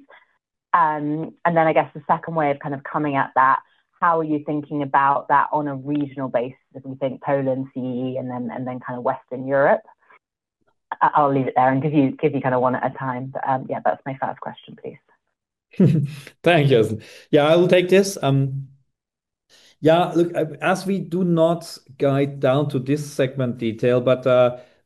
S4: And then I guess the second way of kind of coming at that, how are you thinking about that on a regional basis if we think Poland, CEE, and then kind of Western Europe? I'll leave it there and give you kind of one at a time. But yeah, that's my first question, please.
S2: Thank you, Alison. Yeah, I will take this. Yeah, look, as we do not guide down to this segment detail, but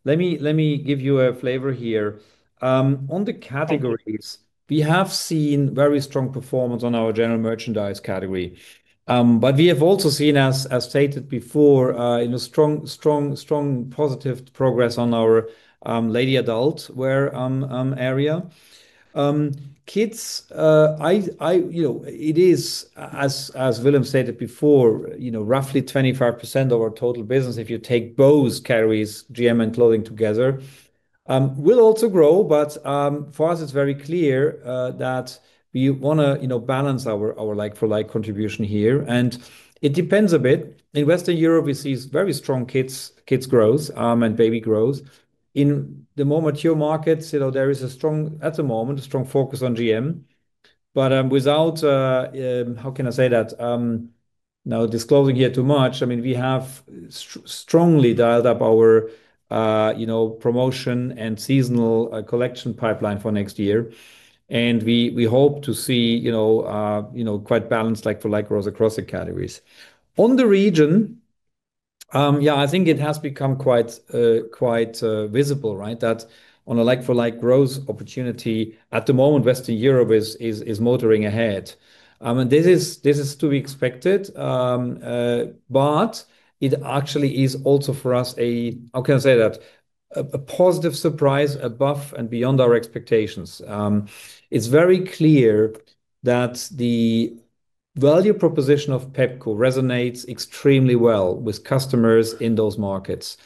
S2: let me give you a flavor here. On the categories, we have seen very strong performance on our general merchandise category. But we have also seen, as stated before, a strong, strong, strong positive progress on our ladies adult wear area kids. It is, as Willem stated before, roughly 25% of our total business if you take both categories, GM and clothing together. GM will also grow, but for us, it's very clear that we want to balance our like-for-like contribution here. And it depends a bit. In Western Europe, we see very strong kids growth and baby growth. In the more mature markets, there is a strong, at the moment, a strong focus on GM. But without, how can I say that? Now, disclosing here too much, I mean, we have strongly dialed up our promotion and seasonal collection pipeline for next year, and we hope to see quite balanced like-for-like growth across the categories. On the region, yeah, I think it has become quite visible, right, that on a like-for-like growth opportunity at the moment, Western Europe is motoring ahead, and this is to be expected, but it actually is also for us, how can I say that? A positive surprise above and beyond our expectations. It's very clear that the value proposition of Pepco resonates extremely well with customers in those markets,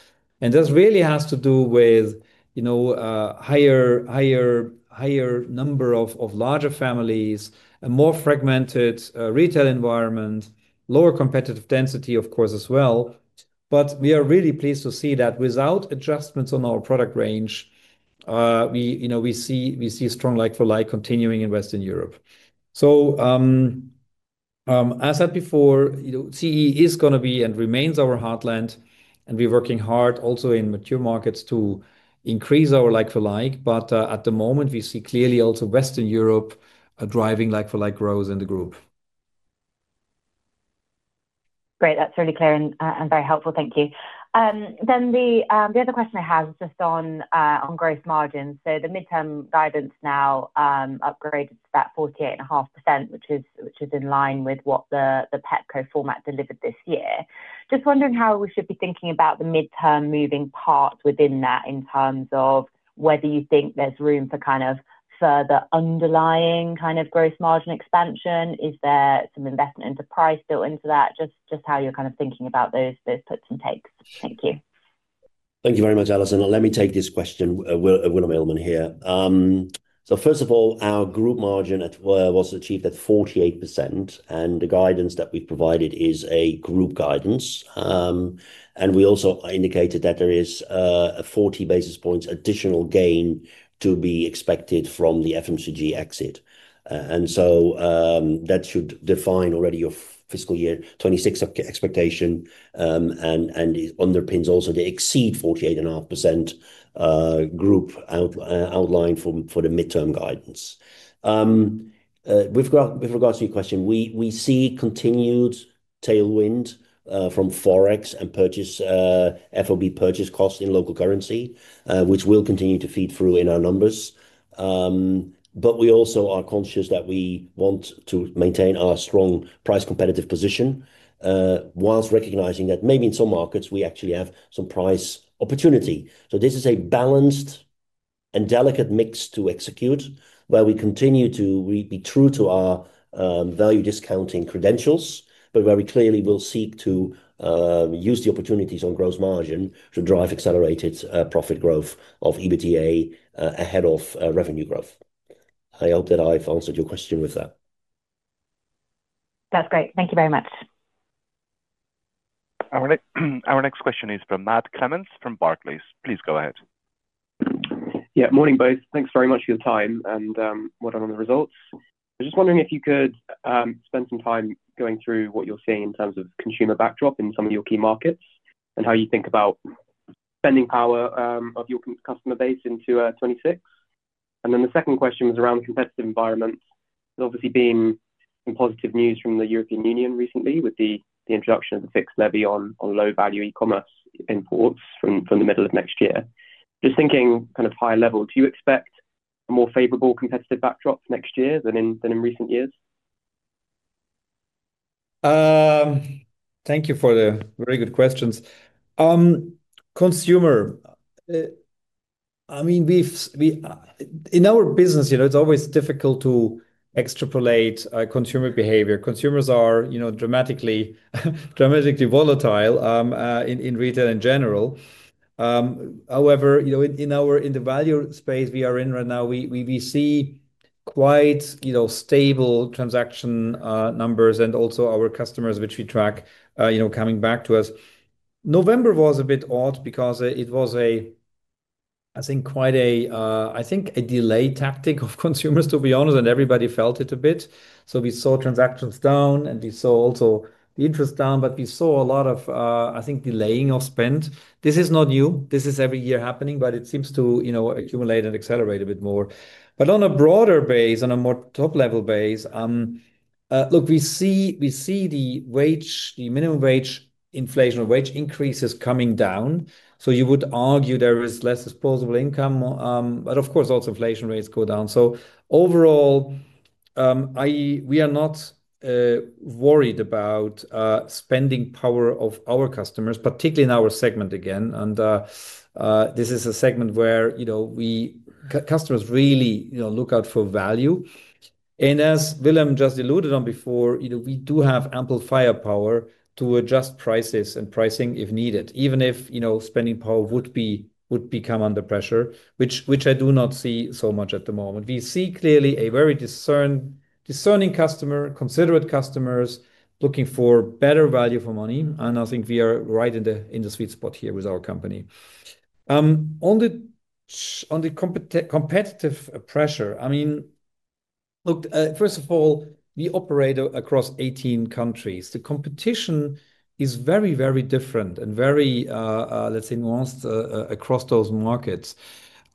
S2: and this really has to do with a higher number of larger families, a more fragmented retail environment, lower competitive density, of course, as well, but we are really pleased to see that without adjustments on our product range, we see strong like-for-like continuing in Western Europe. So, as I said before, CEE is going to be and remains our heartland, and we're working hard also in mature markets to increase our like-for-like. But at the moment, we see clearly also Western Europe driving like-for-like growth in the group.
S4: Great. That's really clear and very helpful. Thank you. Then the other question I have is just on gross margins. So the mid-term guidance now upgraded to that 48.5%, which is in line with what the Pepco format delivered this year. Just wondering how we should be thinking about the mid-term gross margin within that in terms of whether you think there's room for kind of further underlying kind of gross margin expansion. Is there some investment into price built into that? Just how you're kind of thinking about those puts and takes. Thank you.
S3: Thank you very much, Alison. Let me take this question, Willem Eelman, here. So, first of all, our group margin was achieved at 48%, and the guidance that we've provided is a group guidance. And we also indicated that there is a 40 basis points additional gain to be expected from the FMCG exit. And so that should define already your fiscal year 2026 expectation and underpins also the exceed 48.5% group outline for the midterm guidance. With regards to your question, we see continued tailwind from Forex and FOB purchase costs in local currency, which will continue to feed through in our numbers. But we also are conscious that we want to maintain our strong price competitive position whilst recognizing that maybe in some markets, we actually have some price opportunity. This is a balanced and delicate mix to execute where we continue to be true to our value discounting credentials, but where we clearly will seek to use the opportunities on gross margin to drive accelerated profit growth of EBITDA ahead of revenue growth. I hope that I've answered your question with that.
S4: That's great. Thank you very much.
S1: Our next question is from Matt Clements from Barclays. Please go ahead.
S5: Yeah, morning both. Thanks very much for your time and well done on the results. I was just wondering if you could spend some time going through what you're seeing in terms of consumer backdrop in some of your key markets and how you think about spending power of your customer base into 26. And then the second question was around the competitive environment. There's obviously been some positive news from the European Union recently with the introduction of the fixed levy on low-value e-commerce imports from the middle of next year. Just thinking kind of high level, do you expect a more favorable competitive backdrop next year than in recent years?
S2: Thank you for the very good questions. Consumer, I mean, in our business, it's always difficult to extrapolate consumer behavior. Consumers are dramatically volatile in retail in general. However, in the value space we are in right now, we see quite stable transaction numbers and also our customers, which we track, coming back to us. November was a bit odd because it was, I think, quite a, I think, a delay tactic of consumers, to be honest, and everybody felt it a bit. So we saw transactions down, and we saw also the interest down, but we saw a lot of, I think, delaying of spend. This is not new. This is every year happening, but it seems to accumulate and accelerate a bit more. But on a broader base, on a more top-level base, look, we see the wage, the minimum wage, inflation wage increases coming down. So you would argue there is less disposable income, but of course, also inflation rates go down. So overall, we are not worried about spending power of our customers, particularly in our segment again. And as Willem just alluded to before, we do have ample firepower to adjust prices and pricing if needed, even if spending power would become under pressure, which I do not see so much at the moment. We see clearly a very discerning customer, considerate customers looking for better value for money, and I think we are right in the sweet spot here with our company. On the competitive pressure, I mean, look, first of all, we operate across 18 countries. The competition is very, very different and very, let's say, nuanced across those markets.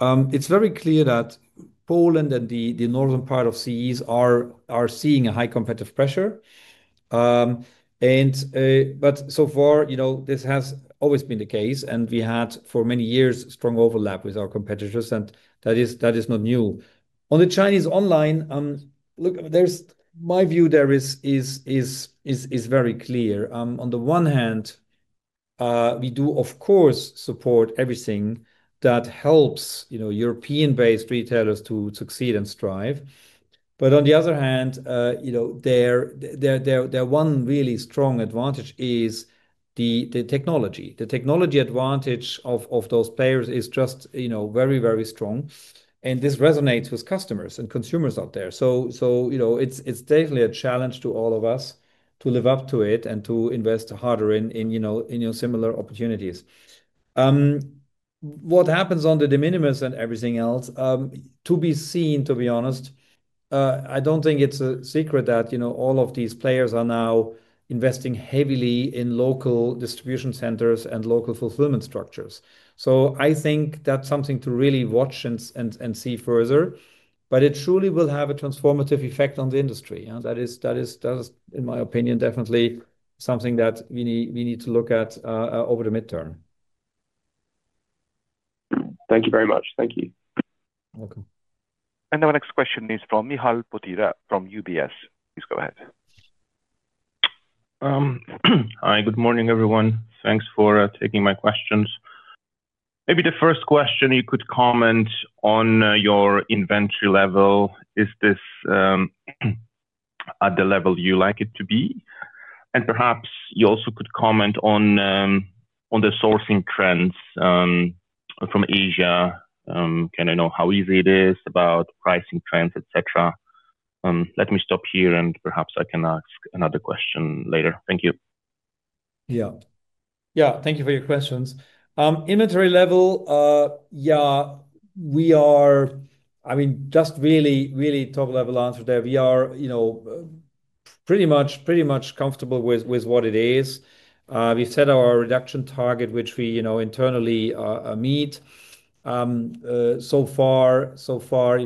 S2: It's very clear that Poland and the northern part of CEE are seeing a high competitive pressure. But so far, this has always been the case, and we had for many years strong overlap with our competitors, and that is not new. On the Chinese online, look, my view there is very clear. On the one hand, we do, of course, support everything that helps European-based retailers to succeed and strive, but on the other hand, their one really strong advantage is the technology. The technology advantage of those players is just very, very strong, and this resonates with customers and consumers out there, so it's definitely a challenge to all of us to live up to it and to invest harder in similar opportunities. What happens on the de minimis and everything else? To be seen, to be honest, I don't think it's a secret that all of these players are now investing heavily in local distribution centers and local fulfillment structures. So I think that's something to really watch and see further. But it truly will have a transformative effect on the industry. That is, in my opinion, definitely something that we need to look at over the midterm.
S5: Thank you very much. Thank you.
S2: You're welcome.
S1: And our next question is from Michał Potyra from UBS. Please go ahead.
S6: Hi, good morning, everyone. Thanks for taking my questions. Maybe the first question you could comment on your inventory level is this at the level you like it to be? And perhaps you also could comment on the sourcing trends from Asia. Can I know how easy it is about pricing trends, etc.? Let me stop here, and perhaps I can ask another question later. Thank you.
S2: Yeah. Yeah, thank you for your questions. Inventory level, yeah, we are, I mean, just really, really top-level answer there. We are pretty much comfortable with what it is. We've set our reduction target, which we internally meet. So far,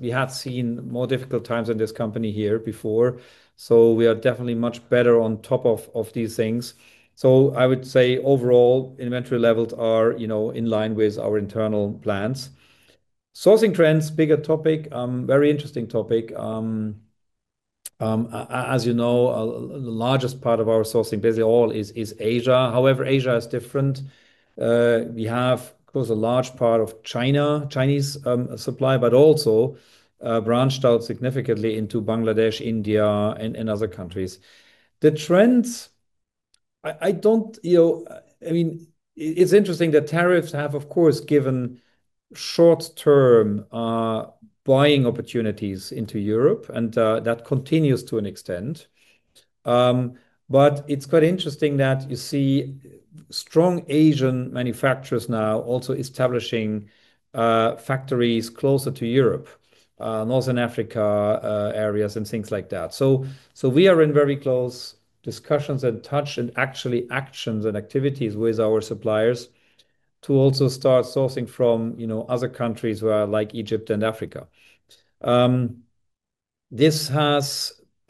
S2: we have seen more difficult times in this company here before. So we are definitely much better on top of these things. So I would say overall, inventory levels are in line with our internal plans. Sourcing trends, bigger topic, very interesting topic. As you know, the largest part of our sourcing, basically all, is Asia. However, Asia is different. We have, of course, a large part of Chinese supply, but also branched out significantly into Bangladesh, India, and other countries. The trends, I mean, it's interesting that tariffs have, of course, given short-term buying opportunities into Europe, and that continues to an extent, but it's quite interesting that you see strong Asian manufacturers now also establishing factories closer to Europe, Northern Africa areas, and things like that, so we are in very close discussions and touch and actually actions and activities with our suppliers to also start sourcing from other countries like Egypt and Africa. This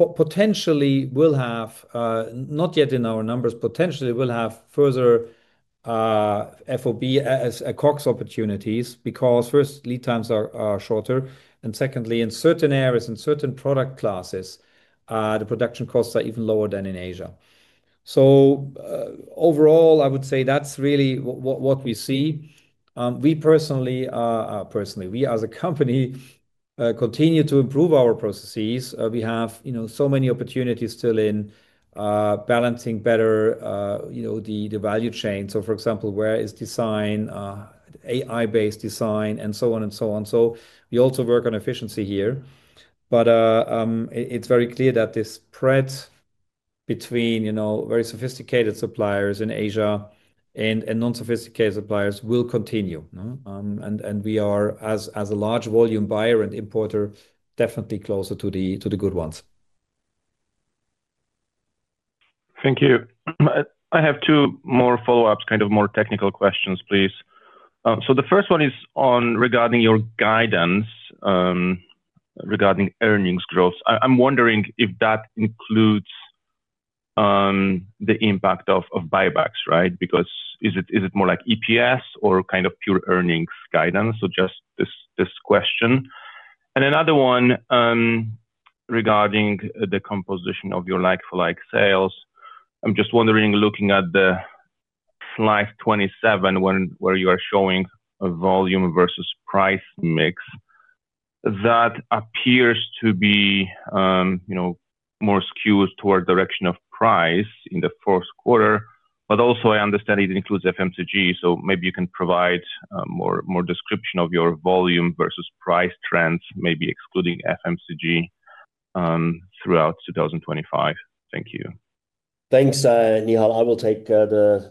S2: potentially will have, not yet in our numbers, potentially will have further FOB cost opportunities because, first, lead times are shorter. And secondly, in certain areas, in certain product classes, the production costs are even lower than in Asia. So overall, I would say that's really what we see. We personally, we as a company continue to improve our processes. We have so many opportunities still in balancing better the value chain. So, for example, where is design, AI-based design, and so on and so on. So we also work on efficiency here. But it's very clear that this spread between very sophisticated suppliers in Asia and non-sophisticated suppliers will continue. And we are, as a large volume buyer and importer, definitely closer to the good ones.
S6: Thank you. I have two more follow-ups, kind of more technical questions, please. So the first one is regarding your guidance regarding earnings growth. I'm wondering if that includes the impact of buybacks, right? Because, is it more like EPS or kind of pure earnings guidance? So just this question. And another one regarding the composition of your like-for-like sales. I'm just wondering, looking at the slide 27 where you are showing volume versus price mix, that appears to be more skewed toward the direction of price in the fourth quarter. But also, I understand it includes FMCG. So maybe you can provide more description of your volume versus price trends, maybe excluding FMCG throughout 2025. Thank you.
S3: Thanks. I will take your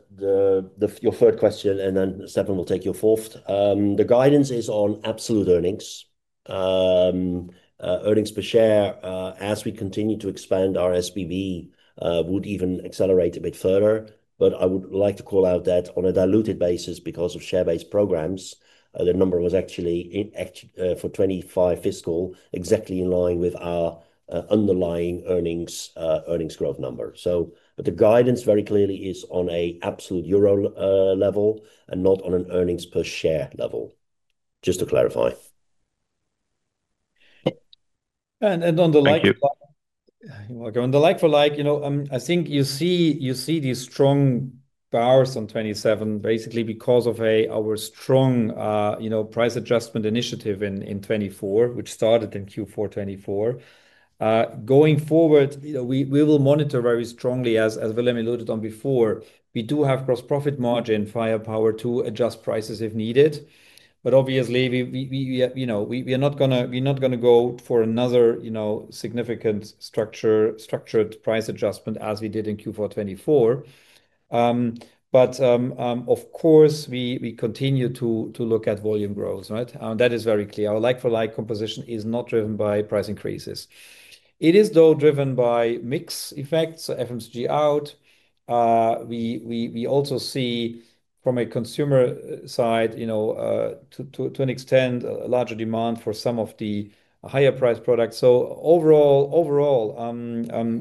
S3: third question, and then Stephan will take your fourth. The guidance is on absolute earnings. Earnings per share, as we continue to expand our SBB, would even accelerate a bit further. But I would like to call out that on a diluted basis because of share-based programs. The number was actually for 2025 fiscal, exactly in line with our underlying earnings growth number. But the guidance very clearly is on an absolute euro level and not on an earnings per share level, just to clarify.
S2: On the like for like, I think you see these strong bars on 27, basically because of our strong price adjustment initiative in 2024, which started in Q4 2024. Going forward, we will monitor very strongly, as Willem alluded to before. We do have gross profit margin firepower to adjust prices if needed. But obviously, we are not going to go for another significant structured price adjustment as we did in Q4 2024. Of course, we continue to look at volume growth, right? That is very clear. Our like-for-like composition is not driven by price increases. It is, though, driven by mix effects, FMCG out. We also see from a consumer side, to an extent, a larger demand for some of the higher-priced products. So overall,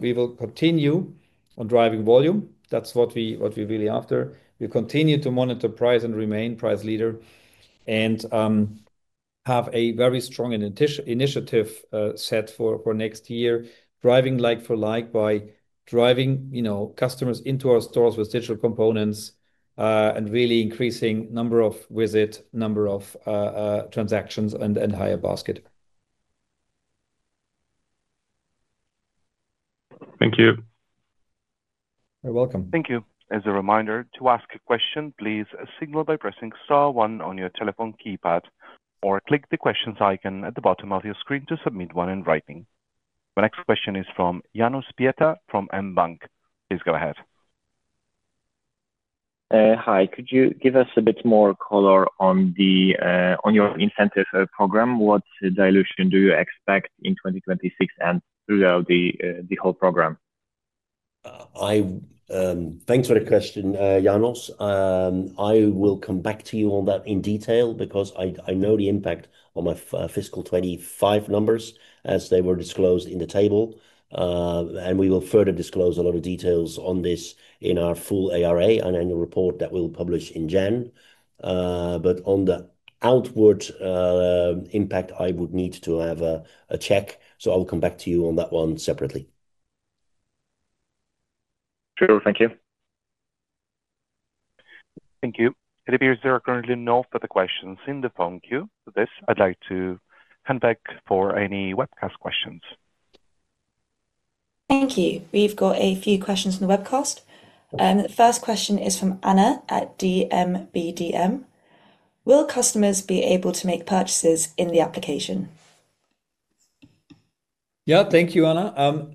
S2: we will continue on driving volume. That's what we're really after. We continue to monitor price and remain price leader and have a very strong initiative set for next year, driving like-for-like by driving customers into our stores with digital components and really increasing number of visits, number of transactions, and higher basket.
S6: Thank you.
S2: You're welcome.
S1: Thank you. As a reminder, to ask a question, please signal by pressing star one on your telephone keypad or click the questions icon at the bottom of your screen to submit one in writing. My next question is from Janusz Pięta from mBank. Please go ahead.
S7: Hi. Could you give us a bit more color on your incentive program? What dilution do you expect in 2026 and throughout the whole program?
S3: Thanks for the question, Janusz. I will come back to you on that in detail because I know the impact on my fiscal 2025 numbers as they were disclosed in the table, and we will further disclose a lot of details on this in our full ARA and annual report that we'll publish in January, but on the outward impact, I would need to have a check, so I'll come back to you on that one separately.
S7: Sure. Thank you.
S1: Thank you. It appears there are currently no further questions in the phone queue. For this, I'd like to hand back for any webcast questions. Thank you. We've got a few questions on the webcast. The first question is from Anna at BDM. Will customers be able to make purchases in the application?
S2: Yeah. Thank you, Anna.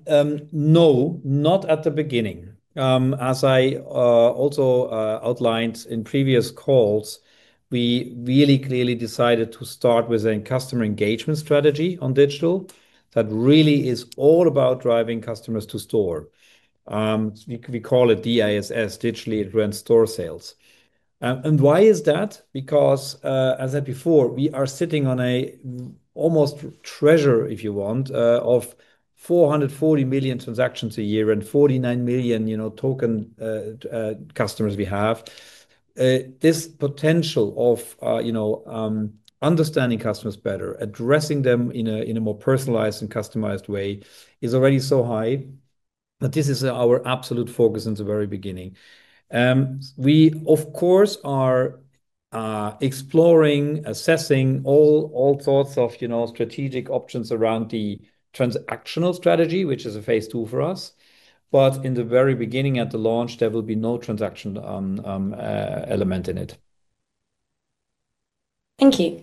S2: No, not at the beginning. As I also outlined in previous calls, we really clearly decided to start with a customer engagement strategy on digital that really is all about driving customers to store. We call it DISS, Digital Increment Store Sales. And why is that? Because, as I said before, we are sitting on an almost treasure, if you want, of 440 million transactions a year and 49 million token customers we have. This potential of understanding customers better, addressing them in a more personalized and customized way is already so high. But this is our absolute focus in the very beginning. We, of course, are exploring, assessing all sorts of strategic options around the transactional strategy, which is a phase II for us. But in the very beginning, at the launch, there will be no transaction element in it.
S8: Thank you.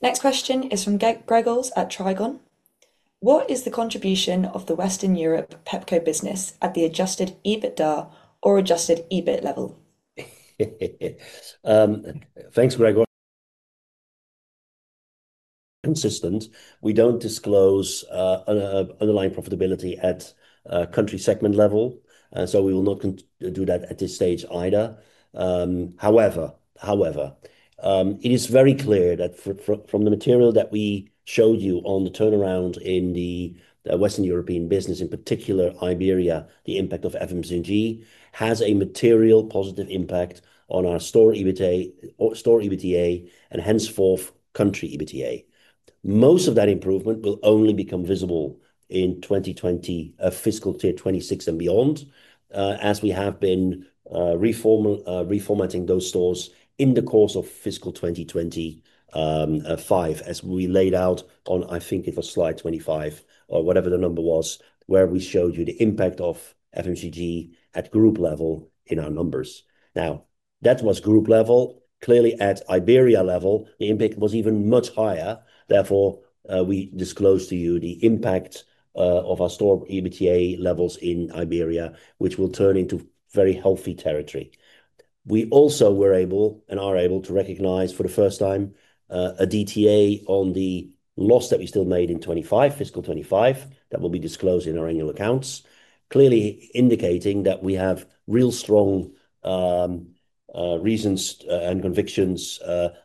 S8: Next question is from Grzegorz at Trigon. What is the contribution of the Western Europe Pepco business at the adjusted EBITDA or adjusted EBIT level?
S3: Thanks, Grzegorz. Consistently, we don't disclose underlying profitability at country segment level, so we will not do that at this stage either. However, it is very clear that from the material that we showed you on the turnaround in the Western European business, in particular, Iberia, the impact of FMCG has a material positive impact on our store EBITDA and henceforth country EBITDA. Most of that improvement will only become visible in FY 2026 and beyond, as we have been reformatting those stores in the course of fiscal 2025, as we laid out on, I think it was slide 25 or whatever the number was, where we showed you the impact of FMCG at group level in our numbers. Now, that was group level. Clearly, at Iberia level, the impact was even much higher. Therefore, we disclosed to you the impact of our store EBITDA levels in Iberia, which will turn into very healthy territory. We also were able and are able to recognize for the first time a DTA on the loss that we still made in fiscal 2025 that will be disclosed in our annual accounts, clearly indicating that we have real strong reasons and convictions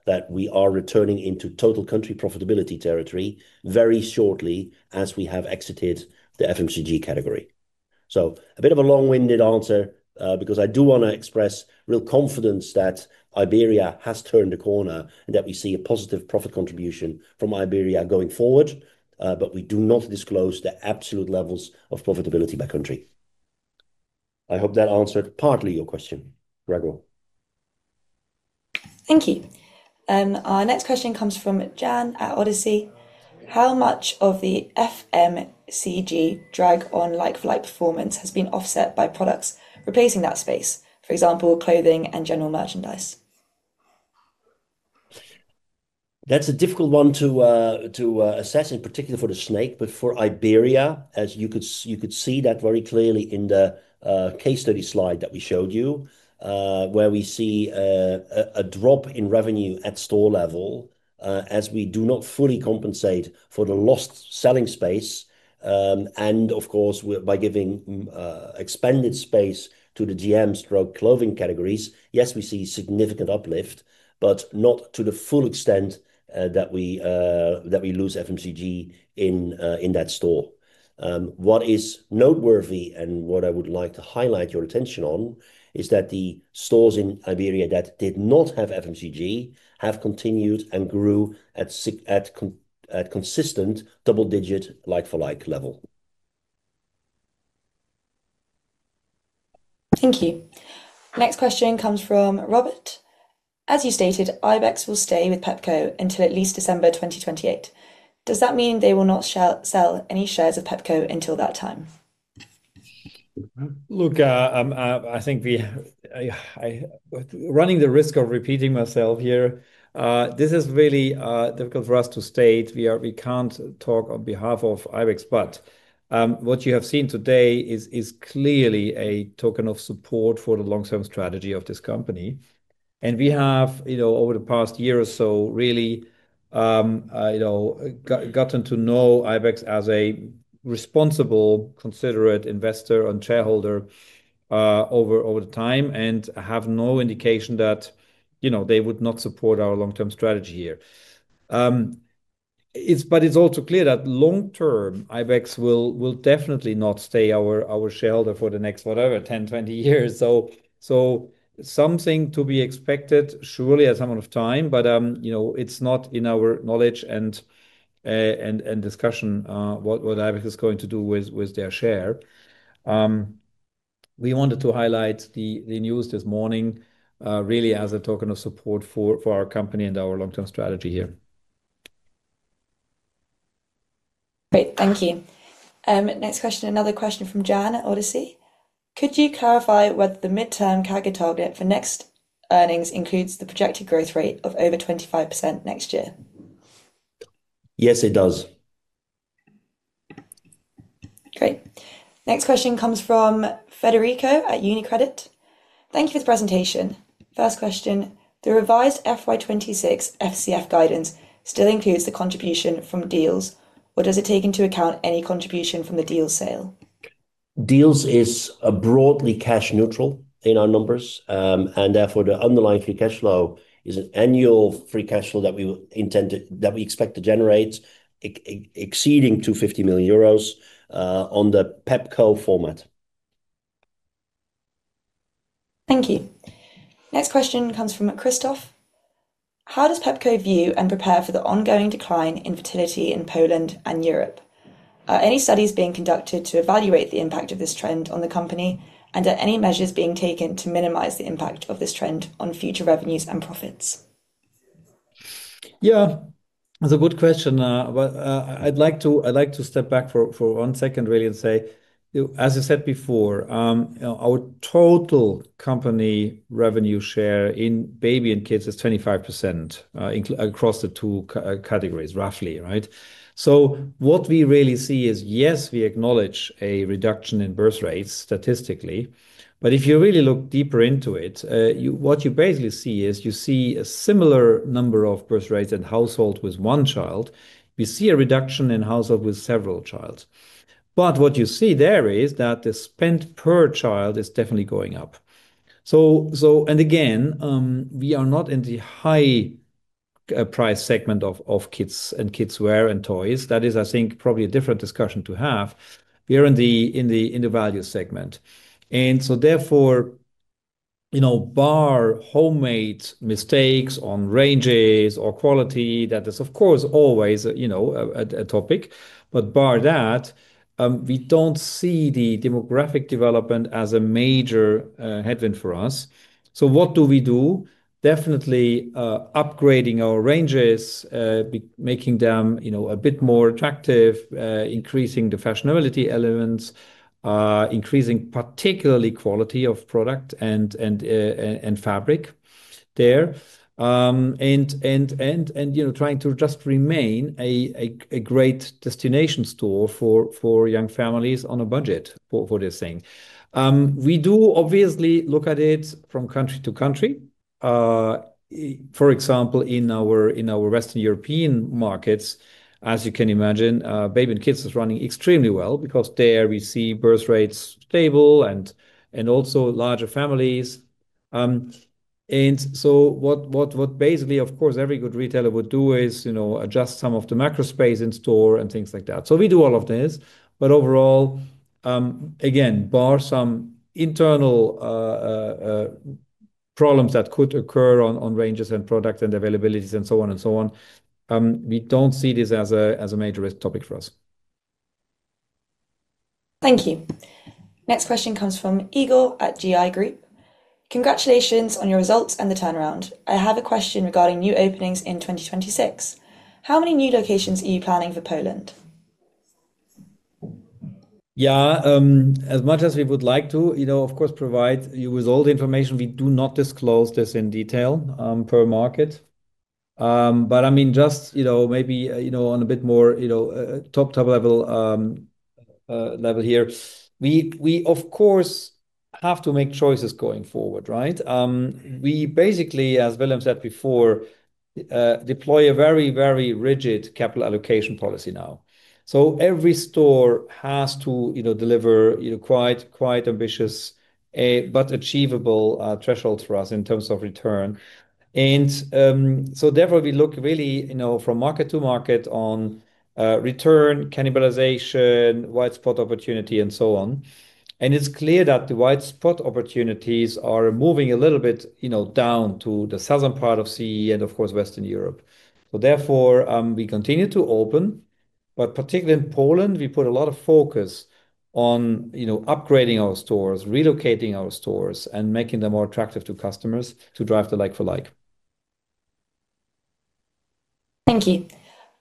S3: that we are returning into total country profitability territory very shortly as we have exited the FMCG category. So a bit of a long-winded answer because I do want to express real confidence that Iberia has turned the corner and that we see a positive profit contribution from Iberia going forward, but we do not disclose the absolute levels of profitability by country. I hope that answered partly your question, Grzegorz.
S8: Thank you. Our next question comes from Jan at Odyssey. How much of the FMCG drag on like-for-like performance has been offset by products replacing that space, for example, clothing and general merchandise?
S3: That's a difficult one to assess, in particular for the snake, but for Iberia, as you could see that very clearly in the case study slide that we showed you, where we see a drop in revenue at store level as we do not fully compensate for the lost selling space. And, of course, by giving expanded space to the GM and clothing categories, yes, we see significant uplift, but not to the full extent that we lose FMCG in that store. What is noteworthy and what I would like to highlight your attention on is that the stores in Iberia that did not have FMCG have continued and grew at consistent double-digit like-for-like level.
S8: Thank you. Next question comes from Robert. As you stated, Ibex will stay with Pepco until at least December 2028. Does that mean they will not sell any shares of Pepco until that time?
S2: Look, I think running the risk of repeating myself here, this is really difficult for us to state. We can't talk on behalf of Ibex, but what you have seen today is clearly a token of support for the long-term strategy of this company. And we have, over the past year or so, really gotten to know Ibex as a responsible, considerate investor and shareholder over the time and have no indication that they would not support our long-term strategy here. But it's also clear that long-term, Ibex will definitely not stay our shareholder for the next, whatever, 10, 20 years. So something to be expected surely at some point of time, but it's not in our knowledge and discussion what Ibex is going to do with their share. We wanted to highlight the news this morning, really, as a token of support for our company and our long-term strategy here.
S8: Great. Thank you. Next question, another question from Jan at Odyssey. Could you clarify whether the midterm target for net earnings includes the projected growth rate of over 25% next year?
S3: Yes, it does.
S8: Great. Next question comes from Federico at UniCredit. Thank you for the presentation. First question, the revised FY 2026 FCF guidance still includes the contribution from Dealz, or does it take into account any contribution from the Dealz sale?
S3: Dealz is broadly cash neutral in our numbers, and therefore, the underlying free cash flow is an annual free cash flow that we expect to generate exceeding 250 million euros on the Pepco format.
S8: Thank you. Next question comes from Christoph. How does Pepco view and prepare for the ongoing decline in fertility in Poland and Europe? Are any studies being conducted to evaluate the impact of this trend on the company, and are any measures being taken to minimize the impact of this trend on future revenues and profits?
S2: Yeah, that's a good question. I'd like to step back for one second, really, and say, as I said before, our total company revenue share in baby and kids is 25% across the two categories, roughly, right? So what we really see is, yes, we acknowledge a reduction in birth rates statistically, but if you really look deeper into it, what you basically see is you see a similar number of birth rates in households with one child. We see a reduction in households with several children. But what you see there is that the spend per child is definitely going up. And again, we are not in the high-price segment of kids and kids' wear and toys. That is, I think, probably a different discussion to have. We are in the value segment. And so, therefore, barring any mistakes on ranges or quality, that is, of course, always a topic. But barring that, we don't see the demographic development as a major headwind for us. What do we do? Definitely upgrading our ranges, making them a bit more attractive, increasing the fashionability elements, increasing particularly quality of product and fabric there, and trying to just remain a great destination store for young families on a budget for this thing. We do obviously look at it from country to country. For example, in our Western European markets, as you can imagine, baby and kids is running extremely well because there we see birth rates stable and also larger families, and so what basically, of course, every good retailer would do is adjust some of the macro space in store and things like that, so we do all of this, but overall, again, bar some internal problems that could occur on ranges and product and availabilities and so on and so on, we don't see this as a major risk topic for us.
S8: Thank you. Next question comes from Igor at GI Group. Congratulations on your results and the turnaround. I have a question regarding new openings in 2026. How many new locations are you planning for Poland?
S2: Yeah, as much as we would like to, of course, provide you with all the information, we do not disclose this in detail per market, but I mean, just maybe on a bit more top-level level here, we, of course, have to make choices going forward, right? We basically, as Willem said before, deploy a very, very rigid capital allocation policy now. So every store has to deliver quite ambitious but achievable thresholds for us in terms of return, and so therefore we look really from market to market on return cannibalization, white-spot opportunity, and so on. It's clear that the white-spot opportunities are moving a little bit down to the southern part of CE and, of course, Western Europe. So therefore, we continue to open, but particularly in Poland, we put a lot of focus on upgrading our stores, relocating our stores, and making them more attractive to customers to drive the like-for-like.
S1: Thank you.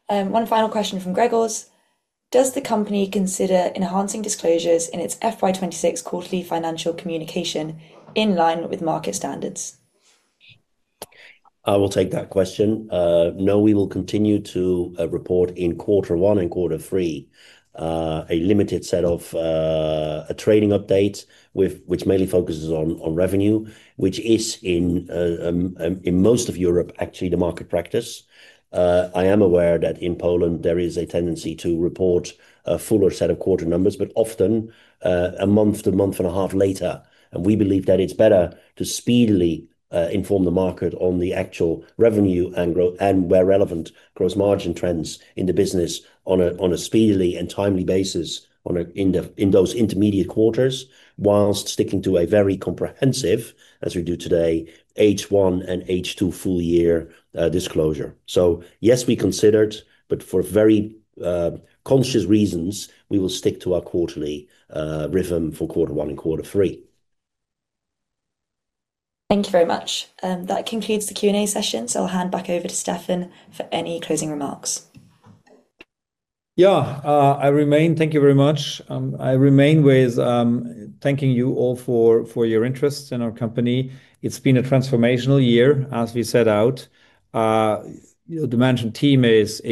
S1: One final question from Grzegorz. Does the company consider enhancing disclosures in its FY 2026 quarterly financial communication in line with market standards?
S3: I will take that question. No, we will continue to report in quarter one and quarter three, a limited set of a trading update which mainly focuses on revenue, which is in most of Europe, actually, the market practice. I am aware that in Poland, there is a tendency to report a fuller set of quarter numbers, but often a month to a month and a half later. We believe that it's better to speedily inform the market on the actual revenue and where relevant gross margin trends in the business on a speedily and timely basis in those intermediate quarters, while sticking to a very comprehensive, as we do today, H1 and H2 full-year disclosure. So yes, we considered, but for very conscious reasons, we will stick to our quarterly rhythm for quarter one and quarter three.
S1: Thank you very much. That concludes the Q&A session. So I'll hand back over to Stephan for any closing remarks.
S2: Yeah, I remain. Thank you very much. I remain with thanking you all for your interest in our company. It's been a transformational year, as we set out. The management team is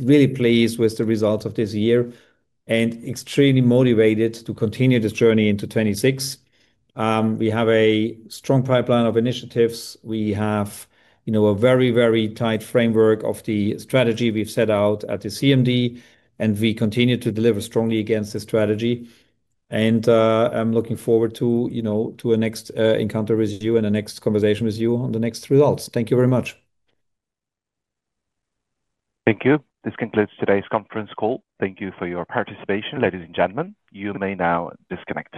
S2: really pleased with the results of this year and extremely motivated to continue this journey into 2026. We have a strong pipeline of initiatives. We have a very, very tight framework of the strategy we've set out at the CMD, and we continue to deliver strongly against the strategy. And I'm looking forward to a next encounter with you and a next conversation with you on the next results. Thank you very much.
S1: Thank you. This concludes today's conference call. Thank you for your participation, ladies and gentlemen. You may now disconnect.